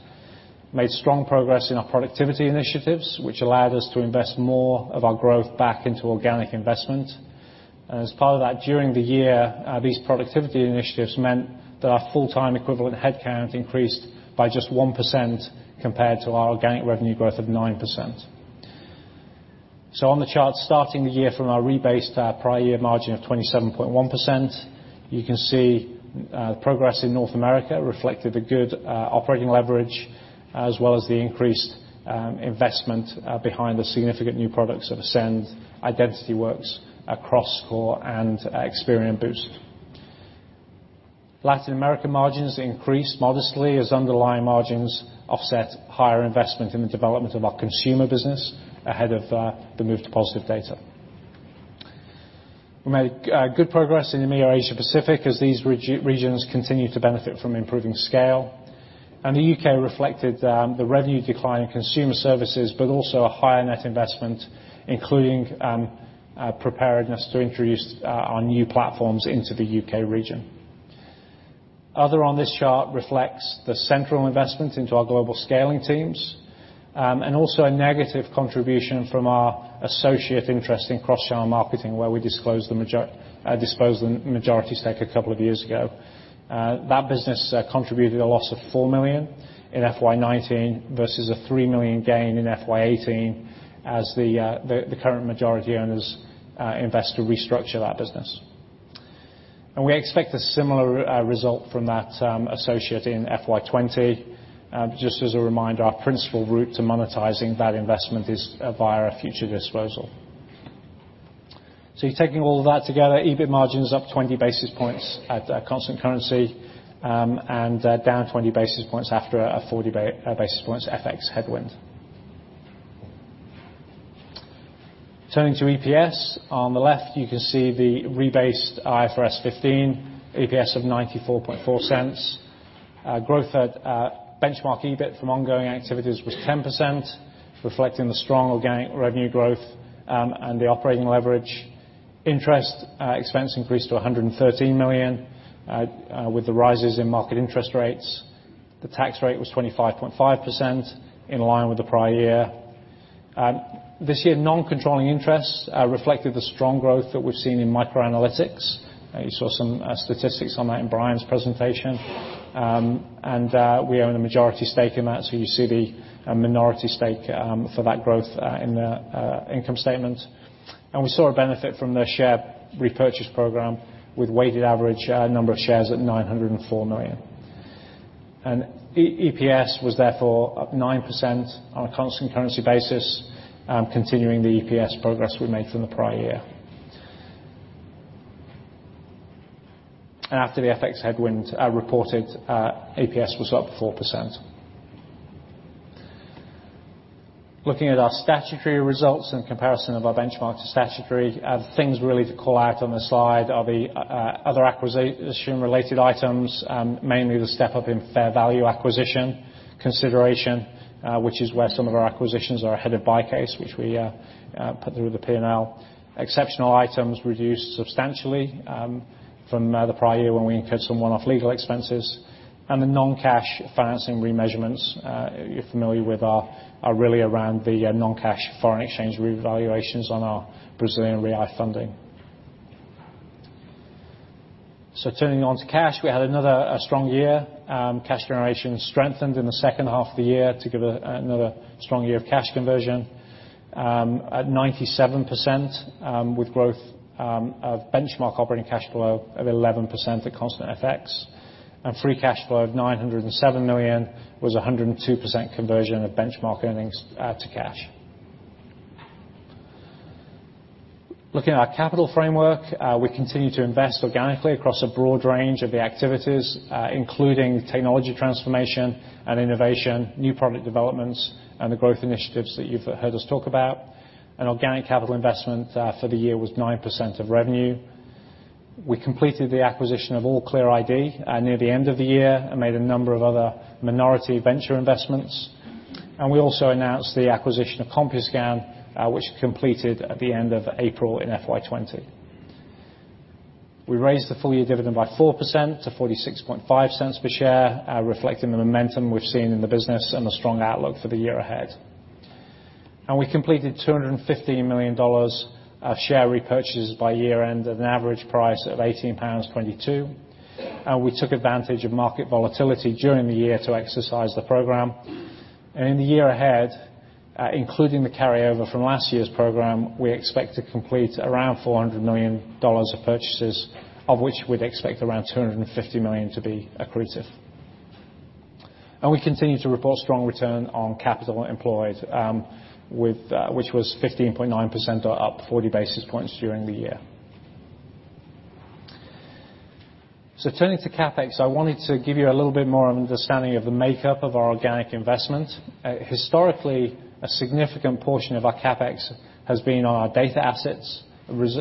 Made strong progress in our productivity initiatives, which allowed us to invest more of our growth back into organic investment. As part of that, during the year, these productivity initiatives meant that our full-time equivalent headcount increased by just 1% compared to our organic revenue growth of 9%. On the chart, starting the year from our rebased prior year margin of 27.1%, you can see progress in North America reflected the good operating leverage, as well as the increased investment behind the significant new products of Ascend, IdentityWorks, CrossCore, and Experian Boost. Latin America margins increased modestly as underlying margins offset higher investment in the development of our consumer business ahead of the move to Positive Data. We made good progress in EMEA or Asia Pacific as these regions continue to benefit from improving scale. The U.K. reflected the revenue decline in consumer services, but also a higher net investment, including preparedness to introduce our new platforms into the U.K. region. Other on this chart reflects the central investment into our global scaling teams, also a negative contribution from our associate interest in Cross-Channel Marketing, where we disposed the majority stake a couple of years ago. That business contributed a loss of $4 million in FY 2019 versus a $3 million gain in FY 2018 as the current majority owners invest to restructure that business. We expect a similar result from that associate in FY 2020. Just as a reminder, our principal route to monetizing that investment is via a future disposal. You're taking all of that together, EBIT margin's up 20 basis points at constant currency, and down 20 basis points after a 40 basis points FX headwind. Turning to EPS. On the left, you can see the rebased IFRS 15 EPS of $0.944. Growth at benchmark EBIT from ongoing activities was 10%, reflecting the strong organic revenue growth and the operating leverage. Interest expense increased to $113 million with the rises in market interest rates. The tax rate was 25.5%, in line with the prior year. This year, non-controlling interests reflected the strong growth that we've seen in MicroAnalytics. You saw some statistics on that in Brian's presentation. We own a majority stake in that, so you see the minority stake for that growth in the income statement. We saw a benefit from the share repurchase program with weighted average number of shares at 904 million. EPS was therefore up 9% on a constant currency basis, continuing the EPS progress we made from the prior year. After the FX headwind reported, EPS was up 4%. Looking at our statutory results in comparison of our benchmark to statutory, things really to call out on this slide are the other acquisition-related items, mainly the step-up in fair value acquisition consideration, which is where some of our acquisitions are ahead of buy case, which we put through the P&L. Exceptional items reduced substantially from the prior year when we incurred some one-off legal expenses, the non-cash financing remeasurements, you're familiar with, are really around the non-cash foreign exchange revaluations on our Brazilian real funding. Turning on to cash, we had another strong year. Cash generation strengthened in the second half of the year to give another strong year of cash conversion at 97%, with growth of benchmark operating cash flow of 11% at constant FX. Free cash flow of $907 million was 102% conversion of benchmark earnings to cash. Looking at our capital framework, we continue to invest organically across a broad range of the activities, including technology transformation and innovation, new product developments, and the growth initiatives that you've heard us talk about. Organic capital investment for the year was 9% of revenue. We completed the acquisition of AllClear ID near the end of the year and made a number of other minority venture investments. We also announced the acquisition of Compuscan, which completed at the end of April in FY 2020. We raised the full-year dividend by 4% to $0.465 per share, reflecting the momentum we've seen in the business and the strong outlook for the year ahead. We completed $215 million of share repurchases by year-end at an average price of £18.22. We took advantage of market volatility during the year to exercise the program. In the year ahead, including the carryover from last year's program, we expect to complete around $400 million of purchases, of which we'd expect around $250 million to be accretive. We continue to report strong return on capital employed, which was 15.9% or up 40 basis points during the year. Turning to CapEx, I wanted to give you a little bit more understanding of the makeup of our organic investment. Historically, a significant portion of our CapEx has been our data assets,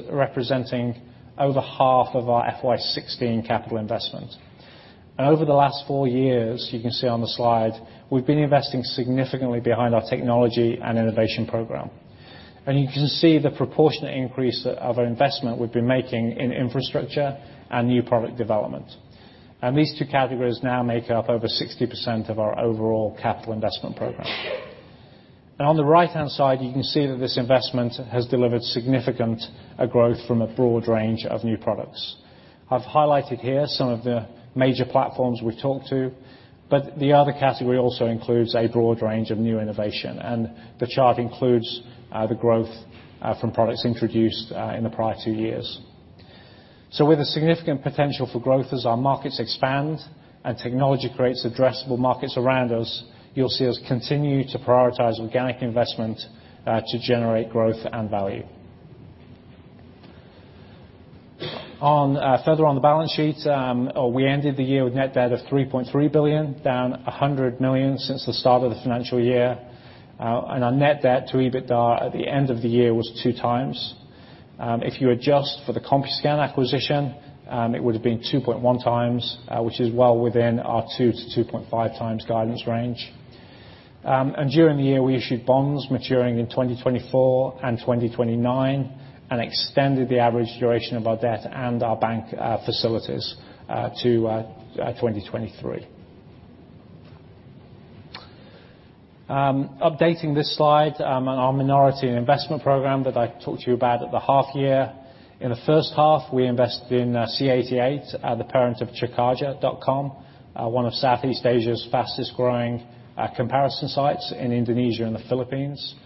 representing over half of our FY 2016 capital investment. Over the last four years, you can see on the slide, we've been investing significantly behind our technology and innovation program. You can see the proportionate increase of our investment we've been making in infrastructure and new product development. These two categories now make up over 60% of our overall capital investment program. On the right-hand side, you can see that this investment has delivered significant growth from a broad range of new products. I've highlighted here some of the major platforms we've talked to, but the other category also includes a broad range of new innovation, and the chart includes the growth from products introduced in the prior two years. With a significant potential for growth as our markets expand and technology creates addressable markets around us, you'll see us continue to prioritize organic investment to generate growth and value. Further on the balance sheet, we ended the year with net debt of $3.3 billion, down $100 million since the start of the financial year. Our net debt to EBITDA at the end of the year was 2 times. If you adjust for the Compuscan acquisition, it would have been 2.1 times, which is well within our 2-2.5 times guidance range. During the year, we issued bonds maturing in 2024 and 2029 and extended the average duration of our debt and our bank facilities to 2023. Updating this slide, our minority and investment program that I talked to you about at the half year. In the first half, we invested in C88, the parent of CekAja.com, one of Southeast Asia's fastest-growing comparison sites in Indonesia and the Philippines.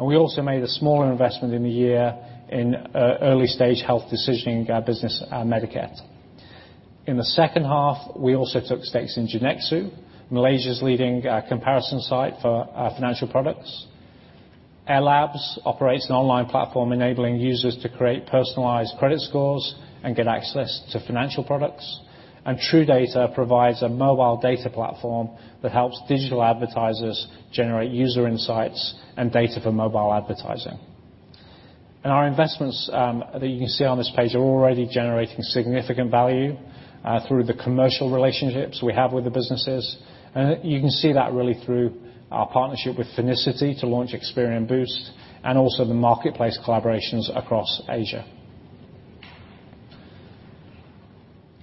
We also made a smaller investment in the year in early-stage health decisioning business, Medicat. In the second half, we also took stakes in Jirnexu, Malaysia's leading comparison site for financial products. Aire Labs operates an online platform enabling users to create personalized credit scores and get access to financial products. TrueData provides a mobile data platform that helps digital advertisers generate user insights and data for mobile advertising. Our investments, that you can see on this page, are already generating significant value through the commercial relationships we have with the businesses. You can see that really through our partnership with Finicity to launch Experian Boost, and also the marketplace collaborations across Asia.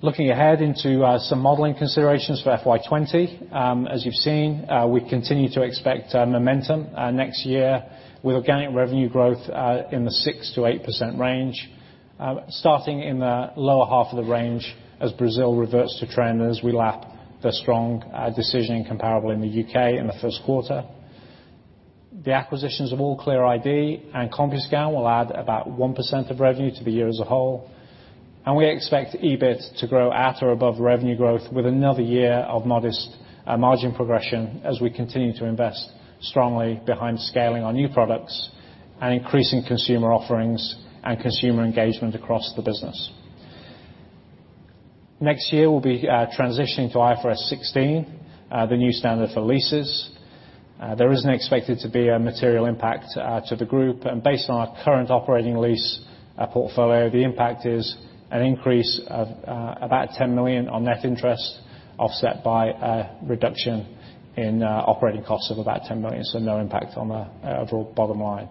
Looking ahead into some modeling considerations for FY 2020. As you've seen, we continue to expect momentum next year with organic revenue growth in the 6%-8% range, starting in the lower half of the range as Brazil reverts to trend as we lap the strong decisioning comparable in the U.K. in the first quarter. The acquisitions of AllClear ID and Compuscan will add about 1% of revenue to the year as a whole, and we expect EBIT to grow at or above revenue growth with another year of modest margin progression as we continue to invest strongly behind scaling our new products and increasing consumer offerings and consumer engagement across the business. Next year, we'll be transitioning to IFRS 16, the new standard for leases. There isn't expected to be a material impact to the group. Based on our current operating lease portfolio, the impact is an increase of about $10 million on net interest, offset by a reduction in operating costs of about $10 million, so no impact on the overall bottom line.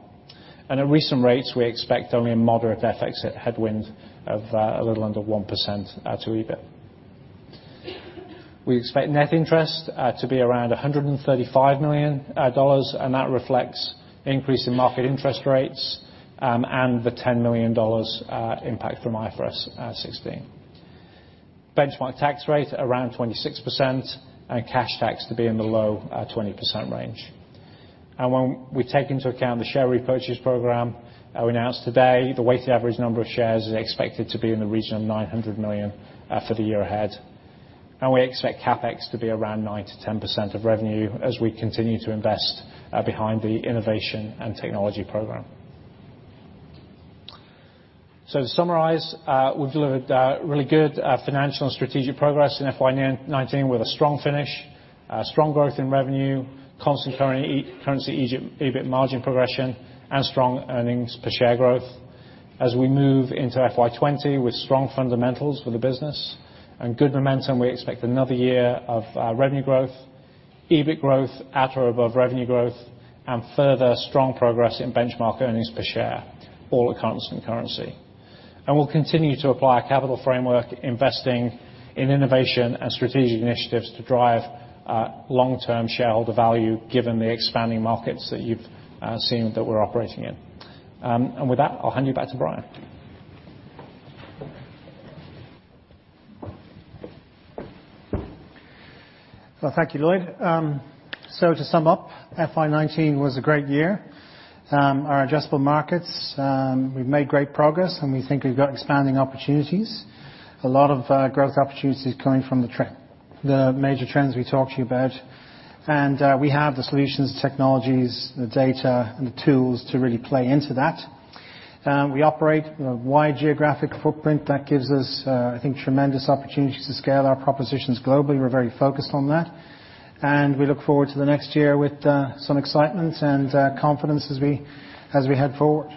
At recent rates, we expect only a moderate FX headwind of a little under 1% to EBIT. We expect net interest to be around $135 million, and that reflects the increase in market interest rates and the $10 million impact from IFRS 16. Benchmark tax rate, around 26%, and cash tax to be in the low 20% range. When we take into account the share repurchase program that we announced today, the weighted average number of shares is expected to be in the region of 900 million for the year ahead. We expect CapEx to be around 9%-10% of revenue as we continue to invest behind the innovation and technology program. To summarize, we've delivered really good financial and strategic progress in FY 2019 with a strong finish, strong growth in revenue, constant currency EBIT margin progression, and strong earnings per share growth. As we move into FY 2020 with strong fundamentals for the business and good momentum, we expect another year of revenue growth, EBIT growth at or above revenue growth, and further strong progress in benchmark earnings per share, all at constant currency. We'll continue to apply a capital framework, investing in innovation and strategic initiatives to drive long-term shareholder value given the expanding markets that you've seen that we're operating in. With that, I'll hand you back to Brian. Thank you, Lloyd. To sum up, FY 2019 was a great year. Our adjustable markets, we've made great progress, and we think we've got expanding opportunities. A lot of growth opportunities coming from the major trends we talked to you about. We have the solutions, the technologies, the data, and the tools to really play into that. We operate a wide geographic footprint that gives us, I think, tremendous opportunities to scale our propositions globally. We're very focused on that, and we look forward to the next year with some excitement and confidence as we head forward.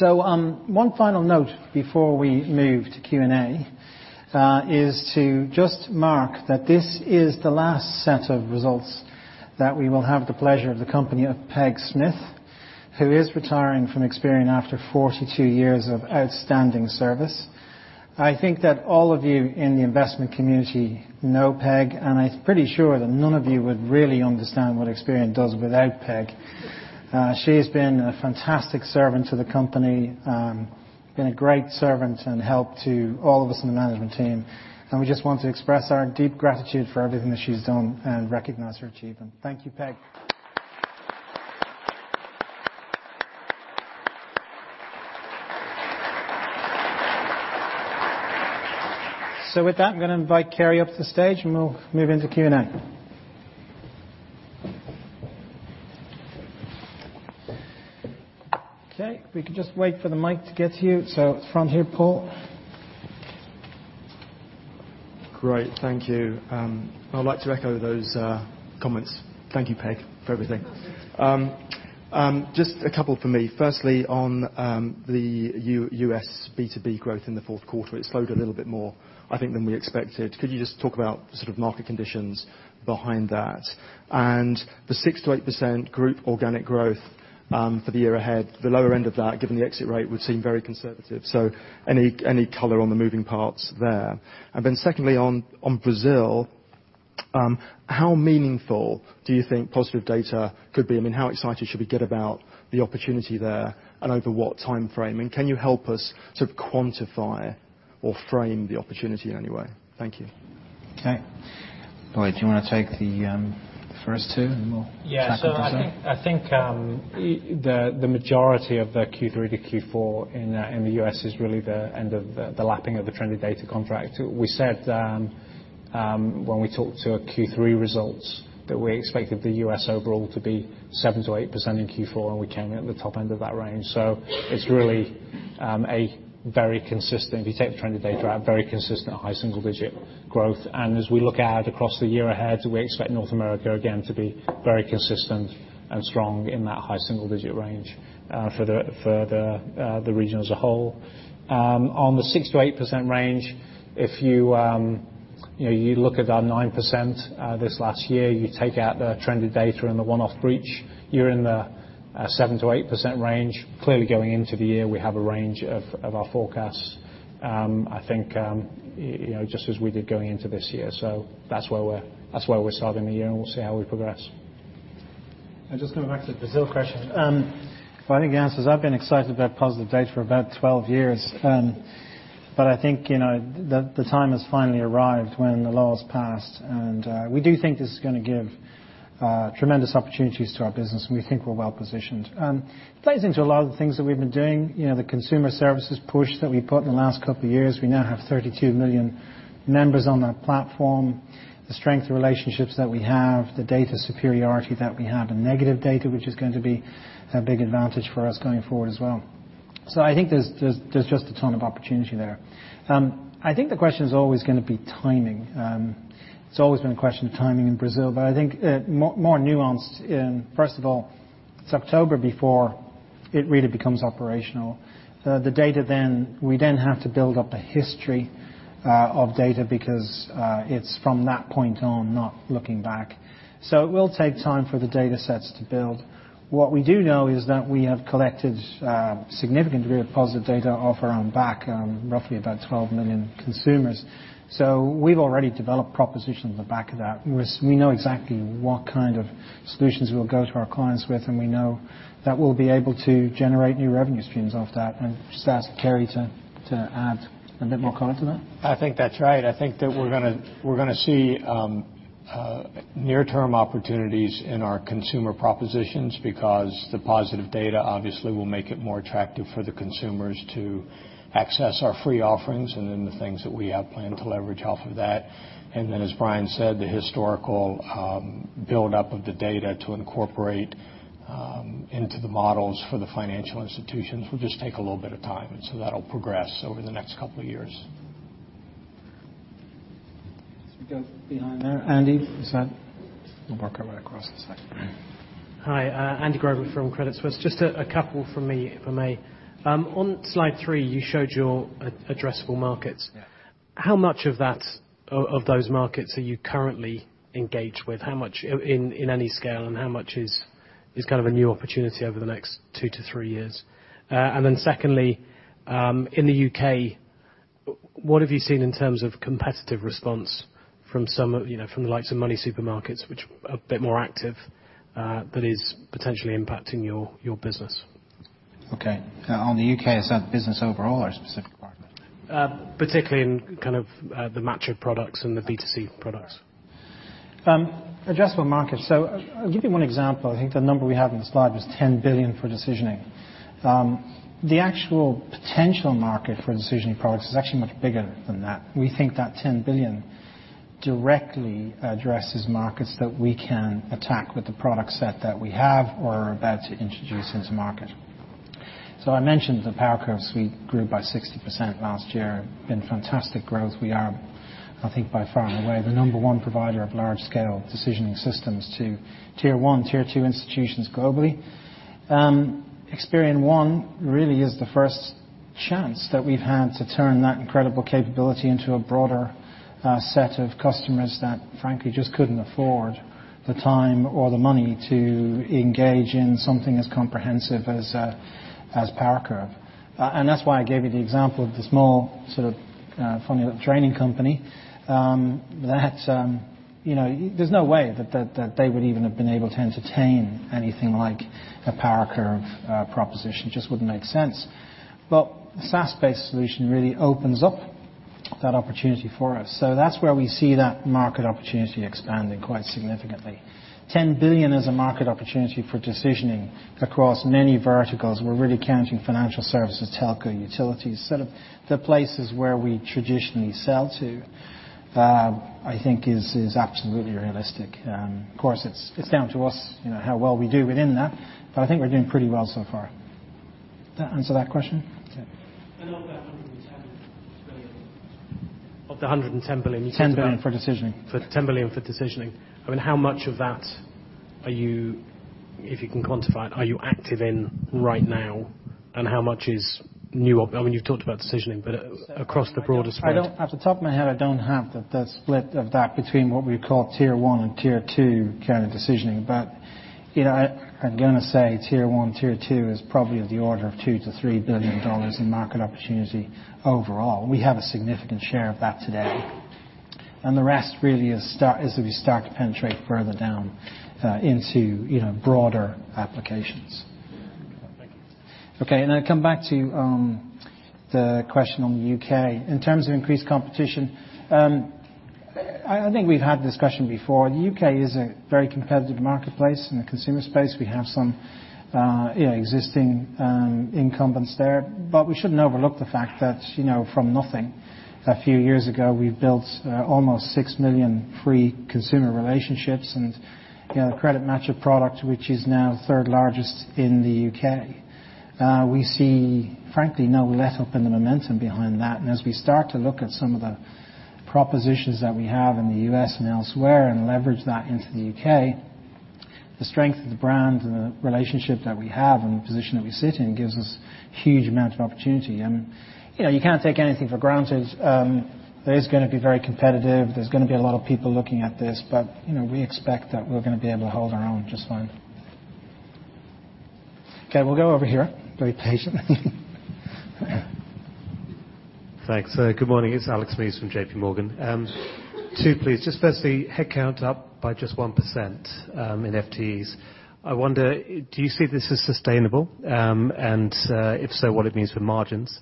One final note before we move to Q&A is to just mark that this is the last set of results that we will have the pleasure of the company of Peg Smith, who is retiring from Experian after 42 years of outstanding service. I think that all of you in the investment community know Peg, and I'm pretty sure that none of you would really understand what Experian does without Peg. She has been a fantastic servant to the company, been a great servant and help to all of us in the management team, and we just want to express our deep gratitude for everything that she's done and recognize her achievement. Thank you, Peg. With that, I'm going to invite Kerry up to the stage, and we'll move into Q&A. If we can just wait for the mic to get to you. It's front here, Paul. Great. Thank you. I'd like to echo those comments. Thank you, Peg, for everything. Just a couple from me. Firstly, on the U.S. B2B growth in the fourth quarter, it slowed a little bit more, I think, than we expected. Could you just talk about sort of market conditions behind that? The 6%-8% group organic growth for the year ahead, the lower end of that, given the exit rate, would seem very conservative. Any color on the moving parts there? Then secondly, on Brazil, how meaningful do you think Positive Data could be? How excited should we get about the opportunity there, and over what time frame? Can you help us to quantify or frame the opportunity in any way? Thank you. Lloyd, do you want to take the first two, and we'll tackle the second? Yeah. I think the majority of the Q3 to Q4 in the U.S. is really the end of the lapping of the Trended Data contract. We said when we talked to our Q3 results that we expected the U.S. overall to be 7%-8% in Q4, and we came in at the top end of that range. It's really a very consistent, if you take the Trended Data out, very consistent high single-digit growth. As we look out across the year ahead, we expect North America, again, to be very consistent and strong in that high single-digit range for the region as a whole. On the 6%-8% range, if you look at our 9% this last year, you take out the Trended Data and the one-off breach, you're in the 7%-8% range. Clearly, going into the year, we have a range of our forecasts, I think just as we did going into this year. That's where we're starting the year, and we'll see how we progress. Just coming back to the Brazil question. If I can answer, I've been excited about Positive Data for about 12 years. I think the time has finally arrived when the law's passed, and we do think this is going to give tremendous opportunities to our business, and we think we're well-positioned. It plays into a lot of the things that we've been doing. The consumer services push that we put in the last couple of years. We now have 32 million members on that platform. The strength of relationships that we have, the data superiority that we have, and negative data, which is going to be a big advantage for us going forward as well. I think there's just a ton of opportunity there. I think the question's always going to be timing. It's always been a question of timing in Brazil, but I think more nuanced in, first of all, it's October before it really becomes operational. The data then, we then have to build up a history of data because it's from that point on, not looking back. It will take time for the data sets to build. What we do know is that we have collected a significant degree of Positive Data off our own back, roughly about 12 million consumers. We've already developed propositions on the back of that. We know exactly what kind of solutions we will go to our clients with, and we know that we'll be able to generate new revenue streams off that. Just ask Kerry to add a bit more color to that. I think that's right. I think that we're going to see near-term opportunities in our consumer propositions because the Positive Data obviously will make it more attractive for the consumers to access our free offerings and then the things that we have planned to leverage off of that. As Brian said, the historical build-up of the data to incorporate into the models for the financial institutions will just take a little bit of time, that'll progress over the next couple of years. We go behind there. Andy, was that? We'll work our way across this side. Hi, Andrew Grobler from Credit Suisse. Just a couple from me, if I may. On slide three, you showed your addressable markets. Yeah. How much of those markets are you currently engaged with? How much in any scale, how much is kind of a new opportunity over the next two to three years? Secondly, in the U.K., what have you seen in terms of competitive response from the likes of MoneySuperMarket, which are a bit more active, but is potentially impacting your business? Okay. On the U.K., is that the business overall or a specific part? Particularly in kind of the CreditMatcher products and the B2C products. Addressable markets. I'll give you one example. I think the number we have on the slide was $10 billion for decisioning. The actual potential market for decisioning products is actually much bigger than that. We think that $10 billion directly addresses markets that we can attack with the product set that we have or are about to introduce into market. I mentioned the PowerCurve suite grew by 60% last year. Been fantastic growth. We are, I think by far and away, the number one provider of large-scale decisioning systems to tier 1, tier 2 institutions globally. Experian One really is the first chance that we've had to turn that incredible capability into a broader set of customers that frankly just couldn't afford the time or the money to engage in something as comprehensive as PowerCurve. That's why I gave you the example of the small sort of formula training company, that there's no way that they would even have been able to entertain anything like a PowerCurve proposition. Just wouldn't make sense. The SaaS-based solution really opens up that opportunity for us. That's where we see that market opportunity expanding quite significantly. $10 billion is a market opportunity for decisioning across many verticals. We're really counting financial services, telco, utilities, sort of the places where we traditionally sell to, I think is absolutely realistic. Of course, it's down to us how well we do within that, but I think we're doing pretty well so far. Does that answer that question? Okay. Of the $110 billion- Of the $110 billion. You said- $10 billion for decisioning. $10 billion for decisioning. I mean, how much of that are you, if you can quantify it, are you active in right now? How much is new-- I mean, you've talked about decisioning, but across the broader spread. Off the top of my head, I don't have the split of that between what we would call tier 1 and tier 2 kind of decisioning. I'm going to say tier 1, tier 2 is probably of the order of $2 billion-$3 billion in market opportunity overall. We have a significant share of that today. The rest really is as we start to penetrate further down into broader applications. Thank you. Okay. I come back to the question on the U.K. In terms of increased competition, I think we've had this discussion before. The U.K. is a very competitive marketplace. In the consumer space, we have some existing incumbents there. We shouldn't overlook the fact that from nothing a few years ago, we've built almost 6 million free consumer relationships and the CreditMatcher product, which is now third largest in the U.K. We see, frankly, no letup in the momentum behind that. As we start to look at some of the propositions that we have in the U.S. and elsewhere and leverage that into the U.K., the strength of the brand and the relationship that we have and the position that we sit in gives us huge amount of opportunity. You can't take anything for granted. It is going to be very competitive. There's going to be a lot of people looking at this. We expect that we're going to be able to hold our own just fine. Okay, we'll go over here. Very patient. Thanks. Good morning. It's Alex Mees from J.P. Morgan. Two, please. Just firstly, headcount up by just 1% in FTEs. I wonder, do you see this as sustainable? If so, what it means for margins.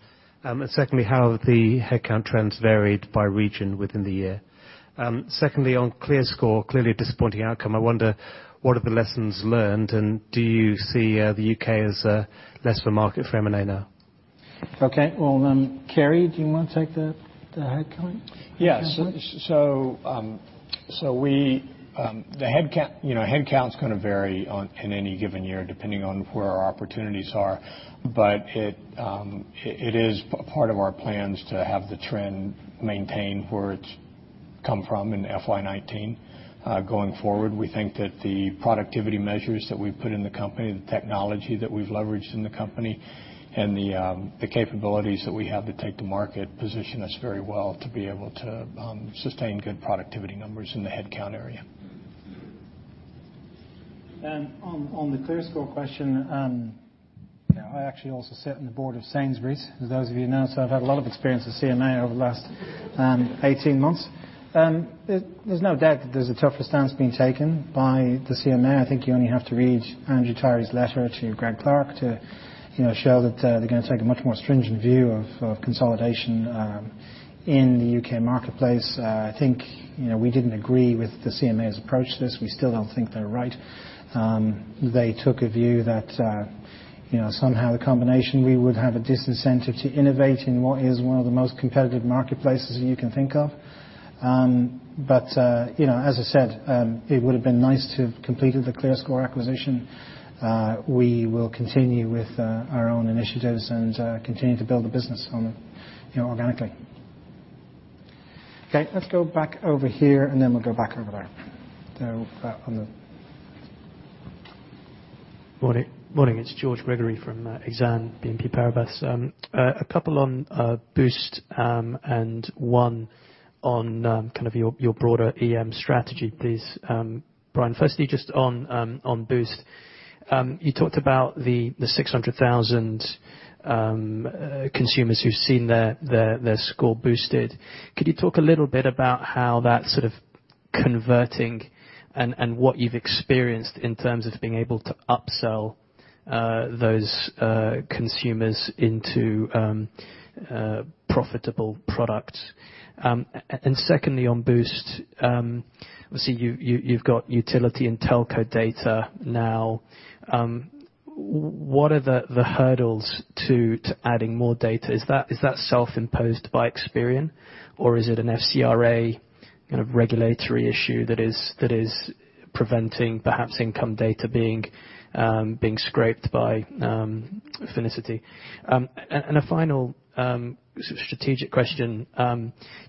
Secondly, how the headcount trends varied by region within the year. Secondly, on ClearScore, clearly a disappointing outcome. I wonder, what are the lessons learned, and do you see the U.K. as less of a market for M&A now? Okay. Carrie, do you want to take the headcount example? Yes. Headcount's going to vary in any given year, depending on where our opportunities are. It is part of our plans to have the trend maintain where it's come from in FY 2019. Going forward, we think that the productivity measures that we've put in the company, the technology that we've leveraged in the company, and the capabilities that we have to take to market, position us very well to be able to sustain good productivity numbers in the headcount area. On the ClearScore question, I actually also sit on the board of Sainsbury's, as those of you know. I've had a lot of experience with CMA over the last 18 months. There's no doubt that there's a tougher stance being taken by the CMA. I think you only have to read Andrew Tyrie's letter to Greg Clark to show that they're going to take a much more stringent view of consolidation in the U.K. marketplace. I think we didn't agree with the CMA's approach to this. We still don't think they're right. They took a view that somehow the combination, we would have a disincentive to innovate in what is one of the most competitive marketplaces that you can think of. As I said, it would've been nice to have completed the ClearScore acquisition. We will continue with our own initiatives and continue to build the business organically. Okay, let's go back over here, and then we'll go back over there. Morning. It's George Gregory from Exane BNP Paribas. A couple on Boost, one on kind of your broader EM strategy, please. Brian, firstly, just on Boost, you talked about the 600,000 consumers who've seen their score boosted. Could you talk a little bit about how that's sort of converting and what you've experienced in terms of being able to upsell those consumers into profitable products? Secondly on Boost, obviously, you've got utility and telco data now. What are the hurdles to adding more data? Is that self-imposed by Experian, or is it an FCRA kind of regulatory issue that is preventing perhaps income data being scraped by Finicity? A final strategic question.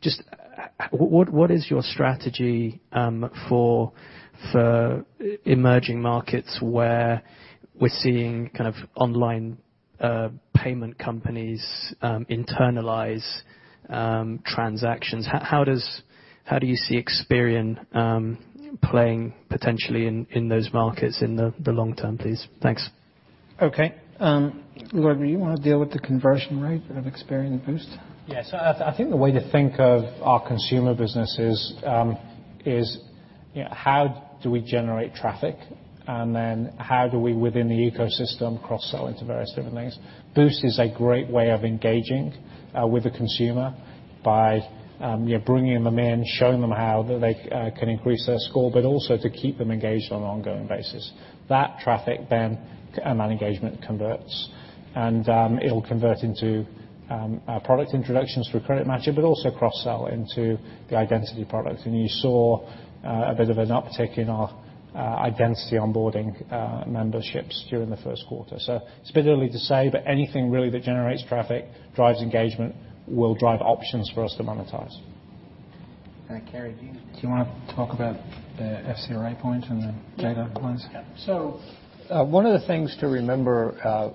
Just, what is your strategy for emerging markets, where we're seeing kind of online payment companies internalize transactions? How do you see Experian playing potentially in those markets in the long term, please? Thanks. Okay. Lloyd, do you want to deal with the conversion rate of Experian Boost? Yes. I think the way to think of our consumer business is, how do we generate traffic? How do we, within the ecosystem, cross-sell into various different things? Boost is a great way of engaging with the consumer by bringing them in, showing them how they can increase their score, but also to keep them engaged on an ongoing basis. That traffic then, that engagement converts, and it'll convert into product introductions through CreditMatch, but also cross-sell into the identity product. You saw a bit of an uptick in our identity onboarding memberships during the first quarter. It's a bit early to say, but anything really that generates traffic, drives engagement, will drive options for us to monetize. All right. Carrie, do you want to talk about the FCRA point and the data points? One of the things to remember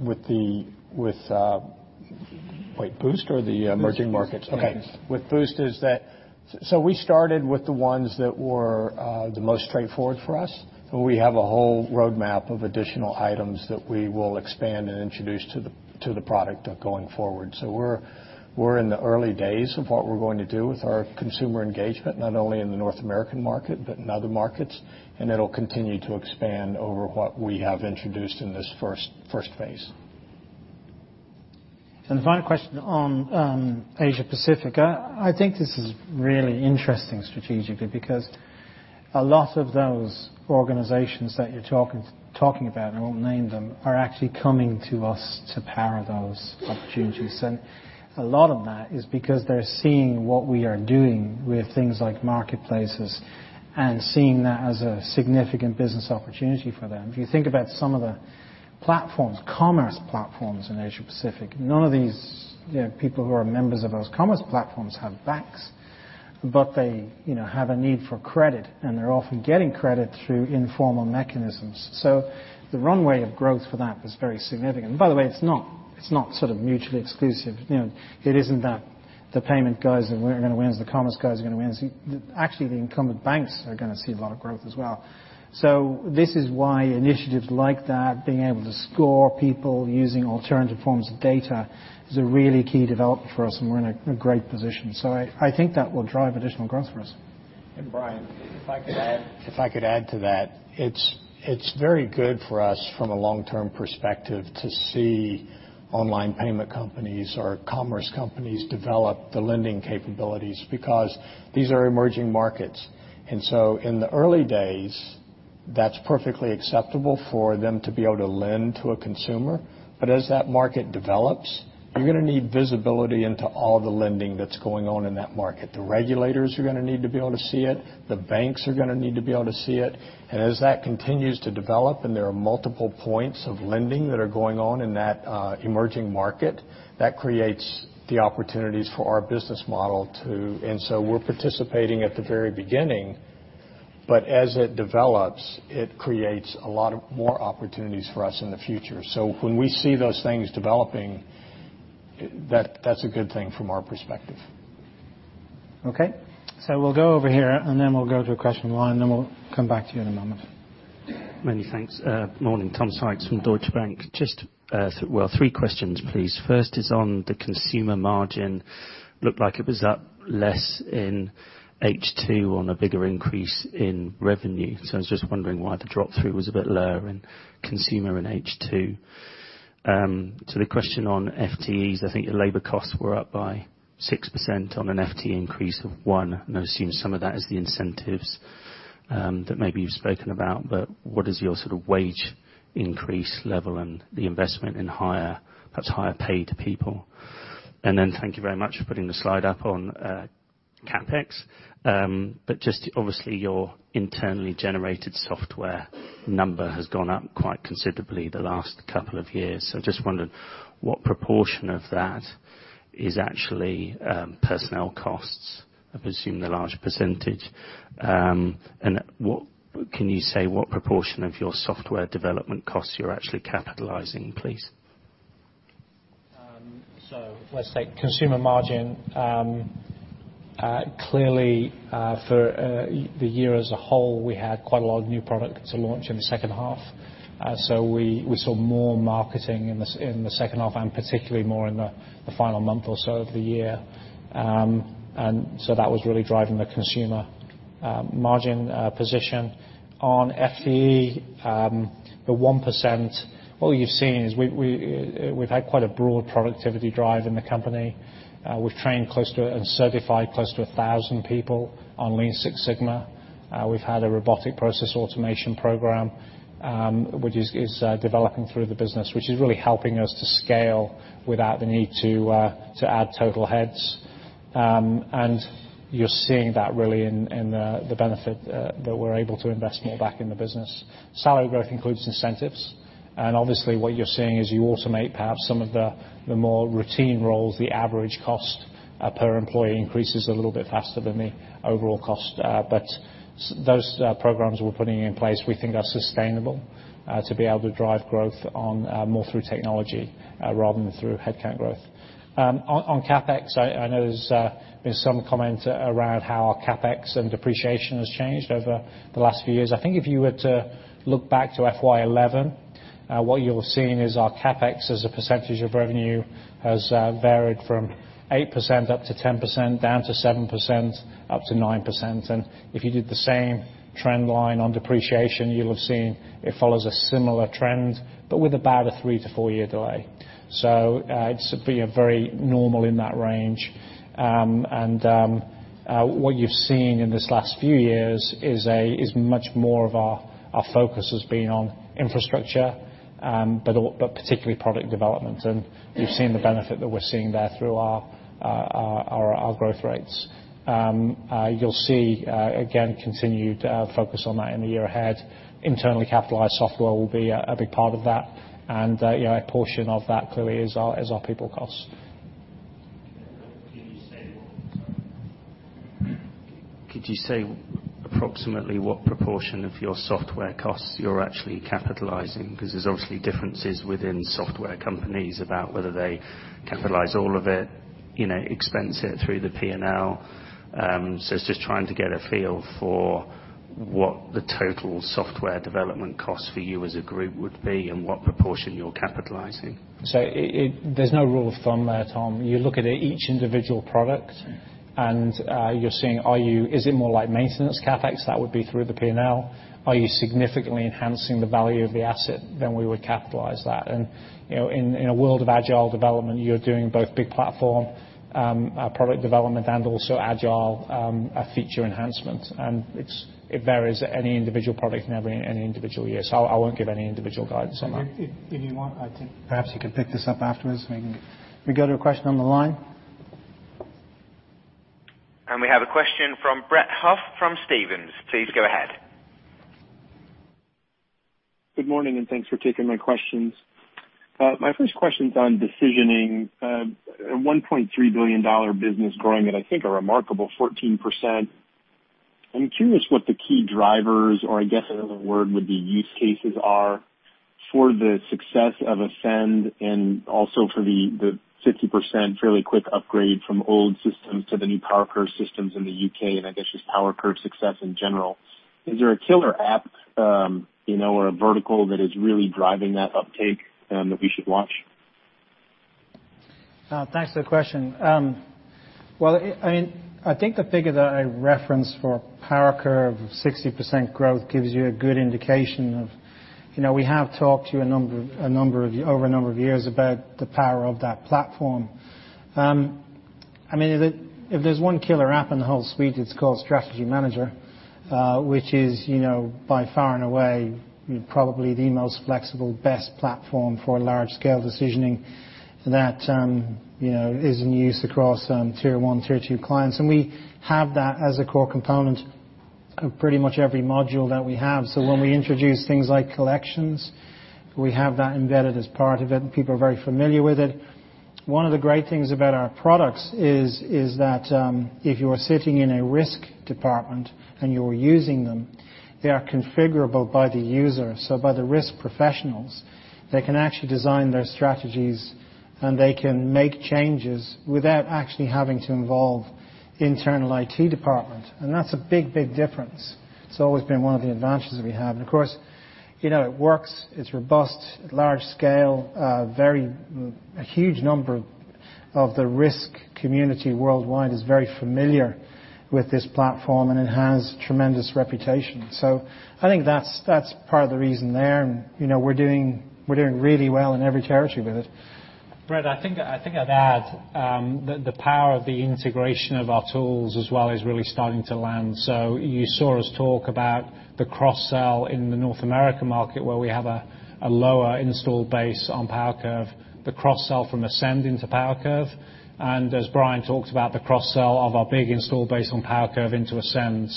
with the wait, Boost or the emerging markets? Boost. Okay. With Boost is that, we started with the ones that were the most straightforward for us, but we have a whole roadmap of additional items that we will expand and introduce to the product going forward. We're in the early days of what we're going to do with our consumer engagement, not only in the North American market, but in other markets. It'll continue to expand over what we have introduced in this first phase. The final question on Asia Pacific, I think this is really interesting strategically, because a lot of those organizations that you're talking about, I won't name them, are actually coming to us to power those opportunities. A lot of that is because they're seeing what we are doing with things like marketplaces, and seeing that as a significant business opportunity for them. If you think about some of the platforms, commerce platforms in Asia Pacific, none of these people who are members of those commerce platforms have banks. They have a need for credit, and they're often getting credit through informal mechanisms. The runway of growth for that is very significant. By the way, it's not sort of mutually exclusive. It isn't that the payment guys are going to win, the commerce guys are going to win. Actually, the incumbent banks are going to see a lot of growth as well. This is why initiatives like that, being able to score people using alternative forms of data, is a really key development for us, and we're in a great position. I think that will drive additional growth for us. Brian, if I could add to that. It's very good for us from a long-term perspective to see online payment companies or commerce companies develop the lending capabilities, because these are emerging markets. In the early days, that is perfectly acceptable for them to be able to lend to a consumer. As that market develops, you're going to need visibility into all the lending that's going on in that market. The regulators are going to need to be able to see it. The banks are going to need to be able to see it. As that continues to develop and there are multiple points of lending that are going on in that emerging market, that creates the opportunities for our business model too. We're participating at the very beginning, but as it develops, it creates a lot of more opportunities for us in the future. When we see those things developing, that is a good thing from our perspective. Okay. We'll go over here, we'll go to a question line, we'll come back to you in a moment. Many thanks. Morning, Tom Sykes from Deutsche Bank. Just, well, three questions, please. First is on the consumer margin. Looked like it was up less in H2 on a bigger increase in revenue. I was just wondering why the drop-through was a bit lower in consumer in H2. The question on FTEs, I think the labor costs were up by 6% on an FTE increase of one. I assume some of that is the incentives that maybe you've spoken about, but what is your sort of wage increase level and the investment in perhaps higher paid people? Thank you very much for putting the slide up on CapEx. Just obviously, your internally generated software number has gone up quite considerably the last couple of years. I just wondered what proportion of that is actually personnel costs. I presume a large percentage. Can you say what proportion of your software development costs you're actually capitalizing, please? Let's take consumer margin. Clearly, for the year as a whole, we had quite a lot of new product to launch in the second half. We saw more marketing in the second half, and particularly more in the final month or so of the year. That was really driving the consumer margin position. On FTE, the 1%, all you're seeing is we've had quite a broad productivity drive in the company. We've trained and certified close to 1,000 people on Lean Six Sigma. We've had a robotic process automation program, which is developing through the business, which is really helping us to scale without the need to add total heads. You're seeing that really in the benefit that we're able to invest more back in the business. Salary growth includes incentives. Obviously, what you're seeing is you automate perhaps some of the more routine roles. The average cost per employee increases a little bit faster than the overall cost. Those programs we're putting in place, we think are sustainable to be able to drive growth more through technology rather than through headcount growth. On CapEx, I know there's been some comment around how our CapEx and depreciation has changed over the last few years. I think if you were to look back to FY 2011, what you're seeing is our CapEx as a percentage of revenue has varied from 8% up to 10%, down to 7%, up to 9%. If you did the same trend line on depreciation, you'll have seen it follows a similar trend, but with about a three to four-year delay. It's been very normal in that range. What you've seen in these last few years is much more of our focus has been on infrastructure, but particularly product development. You've seen the benefit that we're seeing there through our growth rates. You'll see, again, continued focus on that in the year ahead. Internally capitalized software will be a big part of that. A portion of that clearly is our people costs. Could you say approximately what proportion of your software costs you're actually capitalizing? Because there's obviously differences within software companies about whether they capitalize all of it, expense it through the P&L. It's just trying to get a feel for what the total software development cost for you as a group would be and what proportion you're capitalizing. There's no rule of thumb there, Tom. You look at each individual product, and you're seeing, is it more like maintenance CapEx? That would be through the P&L. Are you significantly enhancing the value of the asset? We would capitalize that. In a world of agile development, you're doing both big platform product development and also agile feature enhancements. It varies at any individual product and any individual year. I won't give any individual guidance on that. If you want, I think perhaps you can pick this up afterwards. Maybe we go to a question on the line. We have a question from Brett Huff from Stephens. Please go ahead. Good morning, thanks for taking my questions. My first question's on decisioning. A $1.3 billion business growing at, I think, a remarkable 14%. I'm curious what the key drivers, or I guess another word would be use cases are for the success of Ascend and also for the 50% fairly quick upgrade from old systems to the new PowerCurve systems in the U.K., and I guess just PowerCurve success in general. Is there a killer app or a vertical that is really driving that uptake that we should watch? Thanks for the question. I think the figure that I referenced for PowerCurve of 60% growth gives you a good indication of we have talked to you over a number of years about the power of that platform. If there's one killer app in the whole suite, it's called Strategy Manager, which is by far and away probably the most flexible, best platform for large scale decisioning that is in use across Tier 1, Tier 2 clients. We have that as a core component of pretty much every module that we have. When we introduce things like collections, we have that embedded as part of it, and people are very familiar with it. One of the great things about our products is that if you are sitting in a risk department and you're using them, they are configurable by the user. By the risk professionals, they can actually design their strategies, and they can make changes without actually having to involve internal IT department, and that's a big difference. It's always been one of the advantages that we have. Of course, it works, it's robust, large scale. A huge number of the risk community worldwide is very familiar with this platform, and it has tremendous reputation. I think that's part of the reason there, and we're doing really well in every territory with it. Brett, I think I'd add the power of the integration of our tools as well is really starting to land. You saw us talk about the cross-sell in the North America market, where we have a lower install base on PowerCurve, the cross-sell from Ascend into PowerCurve. As Brian talked about the cross-sell of our big install base on PowerCurve into Ascend.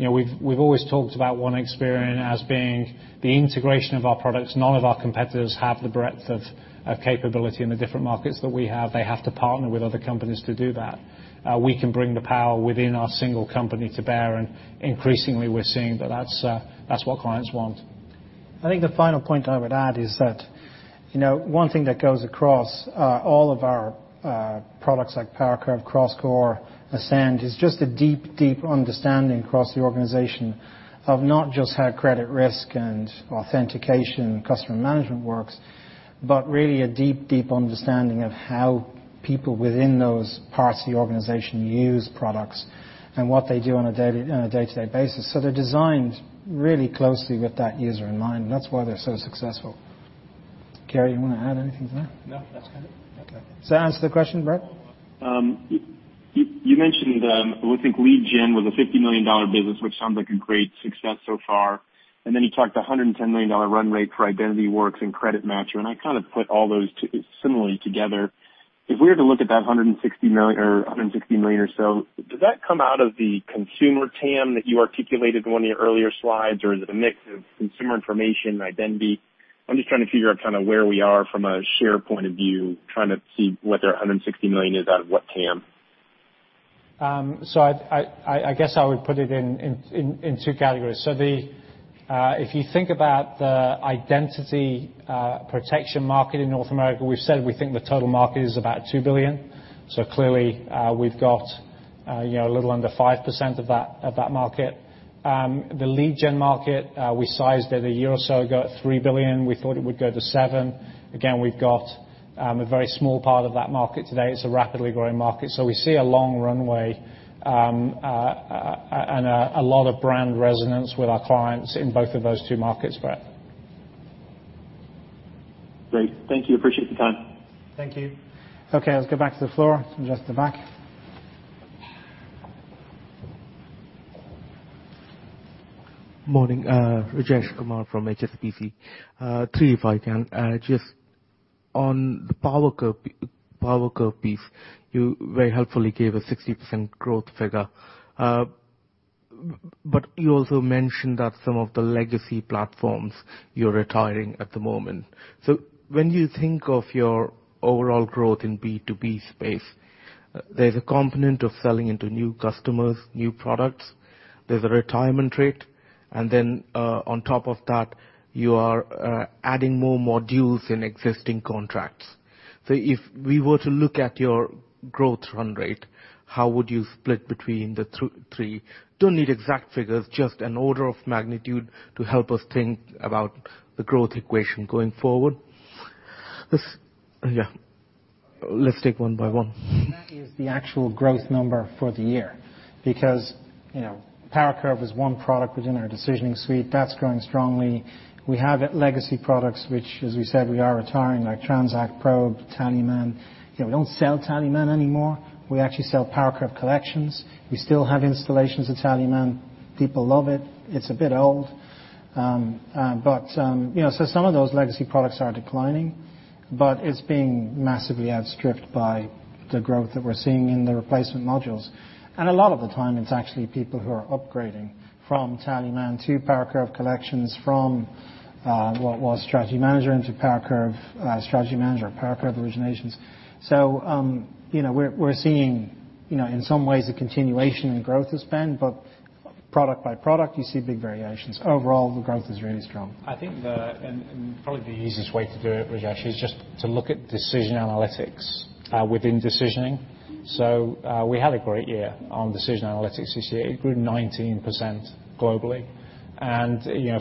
We've always talked about One Experian as being the integration of our products. None of our competitors have the breadth of capability in the different markets that we have. They have to partner with other companies to do that. We can bring the power within our single company to bear, and increasingly we're seeing that that's what clients want. I think the final point I would add is that one thing that goes across all of our products like PowerCurve, CrossCore, Ascend, is just a deep understanding across the organization of not just how credit risk and authentication customer management works, but really a deep understanding of how people within those parts of the organization use products and what they do on a day-to-day basis. They're designed really closely with that user in mind, and that's why they're so successful. Gary, you want to add anything to that? No, that's good. Does that answer the question, Brett? You mentioned, I think Lead Gen was a $50 million business, which sounds like a great success so far. Then you talked $110 million run rate for IdentityWorks and CreditMatch, and I kind of put all those similarly together. If we were to look at that $160 million or so, does that come out of the consumer TAM that you articulated in one of your earlier slides? Is it a mix of consumer information identity? I'm just trying to figure out where we are from a share point of view, trying to see whether $160 million is out of what TAM. I guess I would put it in two categories. If you think about the identity protection market in North America, we've said we think the total market is about $2 billion. Clearly, we've got a little under 5% of that market. The Lead Gen market, we sized it a year or so ago at $3 billion. We thought it would go to $7 billion. Again, we've got a very small part of that market today. It's a rapidly growing market. We see a long runway, and a lot of brand resonance with our clients in both of those two markets, Brett. Great. Thank you. Appreciate the time. Thank you. Okay, let's go back to the floor. Just at the back. Morning. Rajesh Kumar from HSBC. Three, if I can. Just on the PowerCurve piece, you very helpfully gave a 60% growth figure. You also mentioned that some of the legacy platforms you're retiring at the moment. When you think of your overall growth in B2B space, there's a component of selling into new customers, new products. There's a retirement rate, and then on top of that, you are adding more modules in existing contracts. If we were to look at your growth run rate, how would you split between the three? Don't need exact figures, just an order of magnitude to help us think about the growth equation going forward. Yeah. Let's take one by one. That is the actual growth number for the year because PowerCurve is one product within our decisioning suite that's growing strongly. We have legacy products, which as we said, we are retiring like Transact, Probe, Tallyman. We don't sell Tallyman anymore. We actually sell PowerCurve Collections. We still have installations of Tallyman. People love it. It's a bit old. Some of those legacy products are declining, but it's being massively outstripped by the growth that we're seeing in the replacement modules. A lot of the time it's actually people who are upgrading from Tallyman to PowerCurve Collections from what was Strategy Manager into PowerCurve Strategy Management or PowerCurve Originations. We're seeing in some ways a continuation in growth of spend, but product by product, you see big variations. Overall, the growth is really strong. I think that, probably the easiest way to do it, Rajesh, is just to look at Decision Analytics within decisioning. We had a great year on Decision Analytics this year. It grew 19% globally.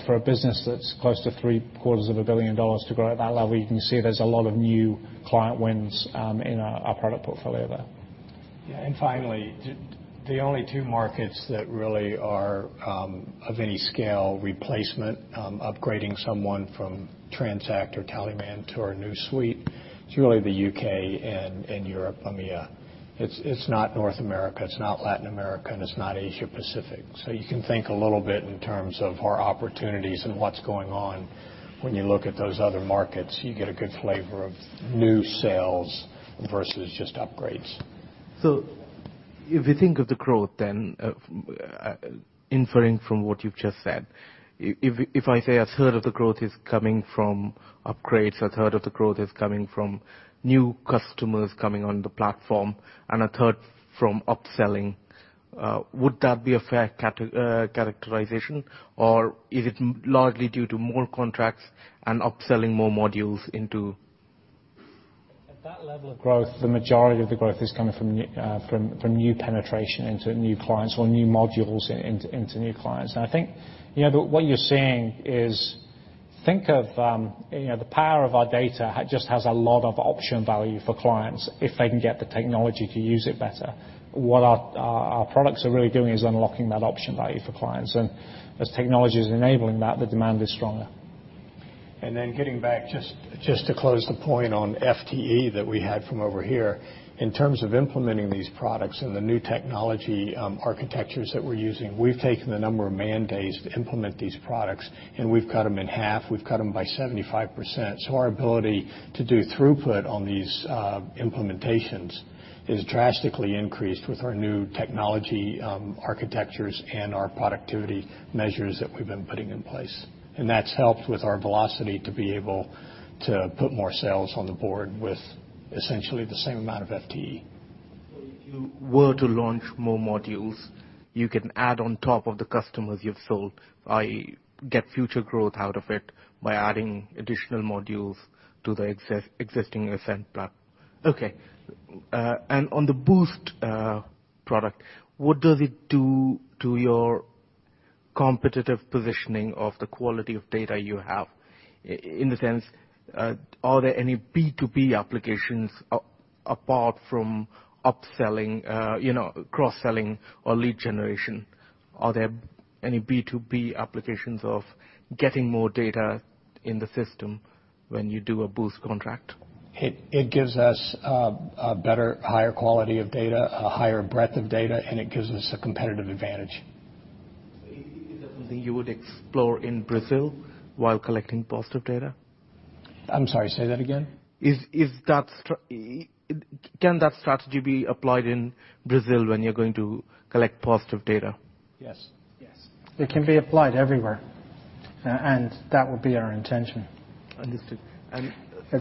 For a business that's close to three quarters of a billion dollars to grow at that level, you can see there's a lot of new client wins in our product portfolio there. Finally, the only two markets that really are of any scale replacement, upgrading someone from Transact or Tallyman to our new suite, it's really the U.K. and Europe, EMEA. It's not North America, it's not Latin America, and it's not Asia-Pacific. You can think a little bit in terms of our opportunities and what's going on when you look at those other markets. You get a good flavor of new sales versus just upgrades. If you think of the growth then, inferring from what you've just said, if I say a third of the growth is coming from upgrades, a third of the growth is coming from new customers coming on the platform, and a third from upselling, would that be a fair characterization? Or is it largely due to more contracts and upselling more modules into? At that level of growth, the majority of the growth is coming from new penetration into new clients or new modules into new clients. I think what you're seeing is, think of the power of our data just has a lot of option value for clients if they can get the technology to use it better. What our products are really doing is unlocking that option value for clients. As technology is enabling that, the demand is stronger. Getting back, just to close the point on FTE that we had from over here. In terms of implementing these products and the new technology architectures that we're using, we've taken the number of man days to implement these products, and we've cut them in half. We've cut them by 75%. Our ability to do throughput on these implementations is drastically increased with our new technology, architectures, and our productivity measures that we've been putting in place. That's helped with our velocity to be able to put more sales on the board with essentially the same amount of FTE. If you were to launch more modules, you can add on top of the customers you've sold, i.e., get future growth out of it by adding additional modules to the existing Ascend platform. Okay. On the Boost product, what does it do to your competitive positioning of the quality of data you have? In the sense, are there any B2B applications apart from upselling, cross-selling or lead generation? Are there any B2B applications of getting more data in the system when you do a Boost contract? It gives us a better, higher quality of data, a higher breadth of data, and it gives us a competitive advantage. Is that something you would explore in Brazil while collecting Positive Data? I'm sorry, say that again. Can that strategy be applied in Brazil when you're going to collect Positive Data? Yes. Yes. It can be applied everywhere, and that would be our intention. Understood.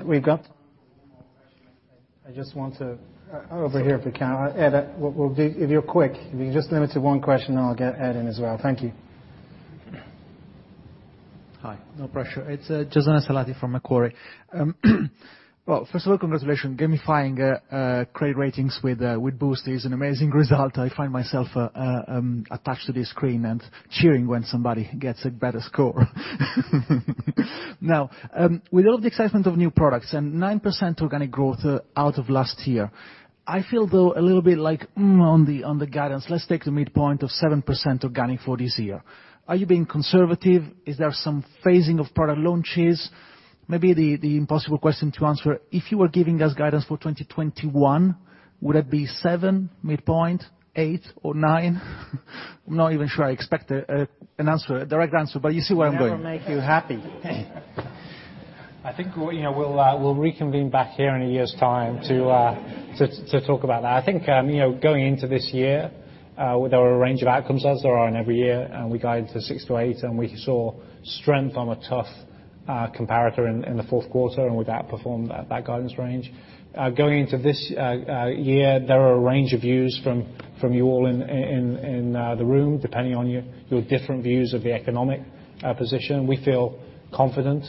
We've got time for one more question. I just want to Over here, if we can. Ed, if you're quick, if you can just limit it to one question, and I'll get Ed in as well. Thank you. Hi. No pressure. It's Jaisone Salati from Macquarie. First of all, congratulations. Gamifying credit ratings with Boost is an amazing result. I find myself attached to the screen and cheering when somebody gets a better score. Now, with all the excitement of new products and 9% organic growth out of last year, I feel though, a little bit like on the guidance. Let's take the midpoint of 7% organic for this year. Are you being conservative? Is there some phasing of product launches? Maybe the impossible question to answer. If you were giving us guidance for 2021, would it be seven, midpoint, eight or nine? I'm not even sure I expect an answer, a direct answer, but you see where I'm going. That will make you happy. I think we'll reconvene back here in a year's time to talk about that. I think, going into this year, there were a range of outcomes as there are in every year, and we guided for 6%-8%, and we saw strength on a tough comparator in the fourth quarter, and we've outperformed that guidance range. Going into this year, there are a range of views from you all in the room, depending on your different views of the economic position. We feel confident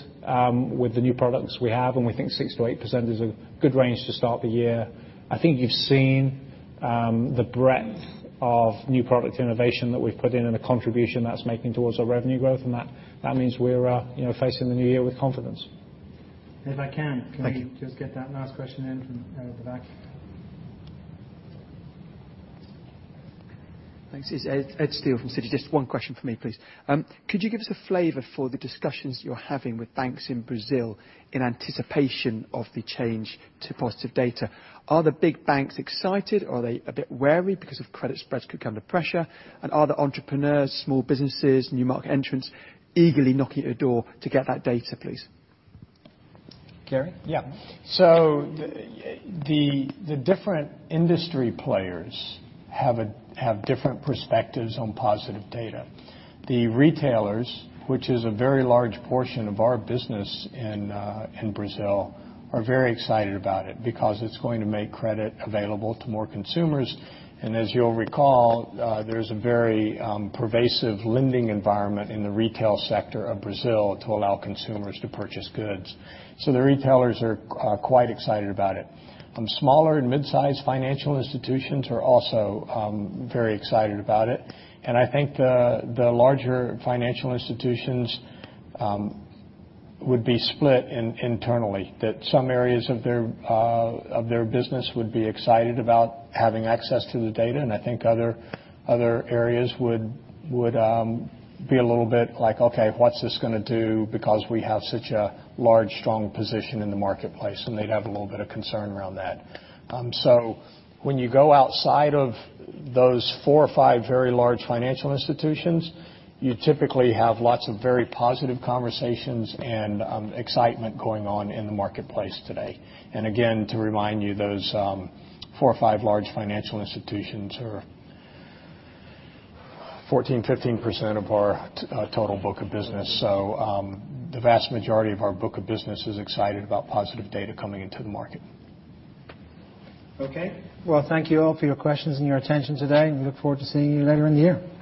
with the new products we have, and we think 6%-8% is a good range to start the year. I think you've seen the breadth of new product innovation that we've put in and the contribution that's making towards our revenue growth, and that means we're facing the new year with confidence. Thank you Can we just get that last question in from the back? Thanks. It's Edward Steel from Citi. Just one question from me, please. Could you give us a flavor for the discussions you're having with banks in Brazil in anticipation of the change to Positive Data? Are the big banks excited, or are they a bit wary because of credit spreads could come under pressure? Are the entrepreneurs, small businesses, new market entrants eagerly knocking at your door to get that data, please? Gary? The different industry players have different perspectives on Positive Data. The retailers, which is a very large portion of our business in Brazil, are very excited about it because it's going to make credit available to more consumers. As you'll recall, there's a very pervasive lending environment in the retail sector of Brazil to allow consumers to purchase goods. The retailers are quite excited about it. Smaller and mid-size financial institutions are also very excited about it. I think the larger financial institutions would be split internally, that some areas of their business would be excited about having access to the data, and I think other areas would be a little bit like, "Okay, what's this going to do because we have such a large, strong position in the marketplace?" They'd have a little bit of concern around that. When you go outside of those four or five very large financial institutions, you typically have lots of very positive conversations and excitement going on in the marketplace today. Again, to remind you, those four or five large financial institutions are 14%, 15% of our total book of business. The vast majority of our book of business is excited about Positive Data coming into the market. Okay. Well, thank you all for your questions and your attention today. We look forward to seeing you later in the year.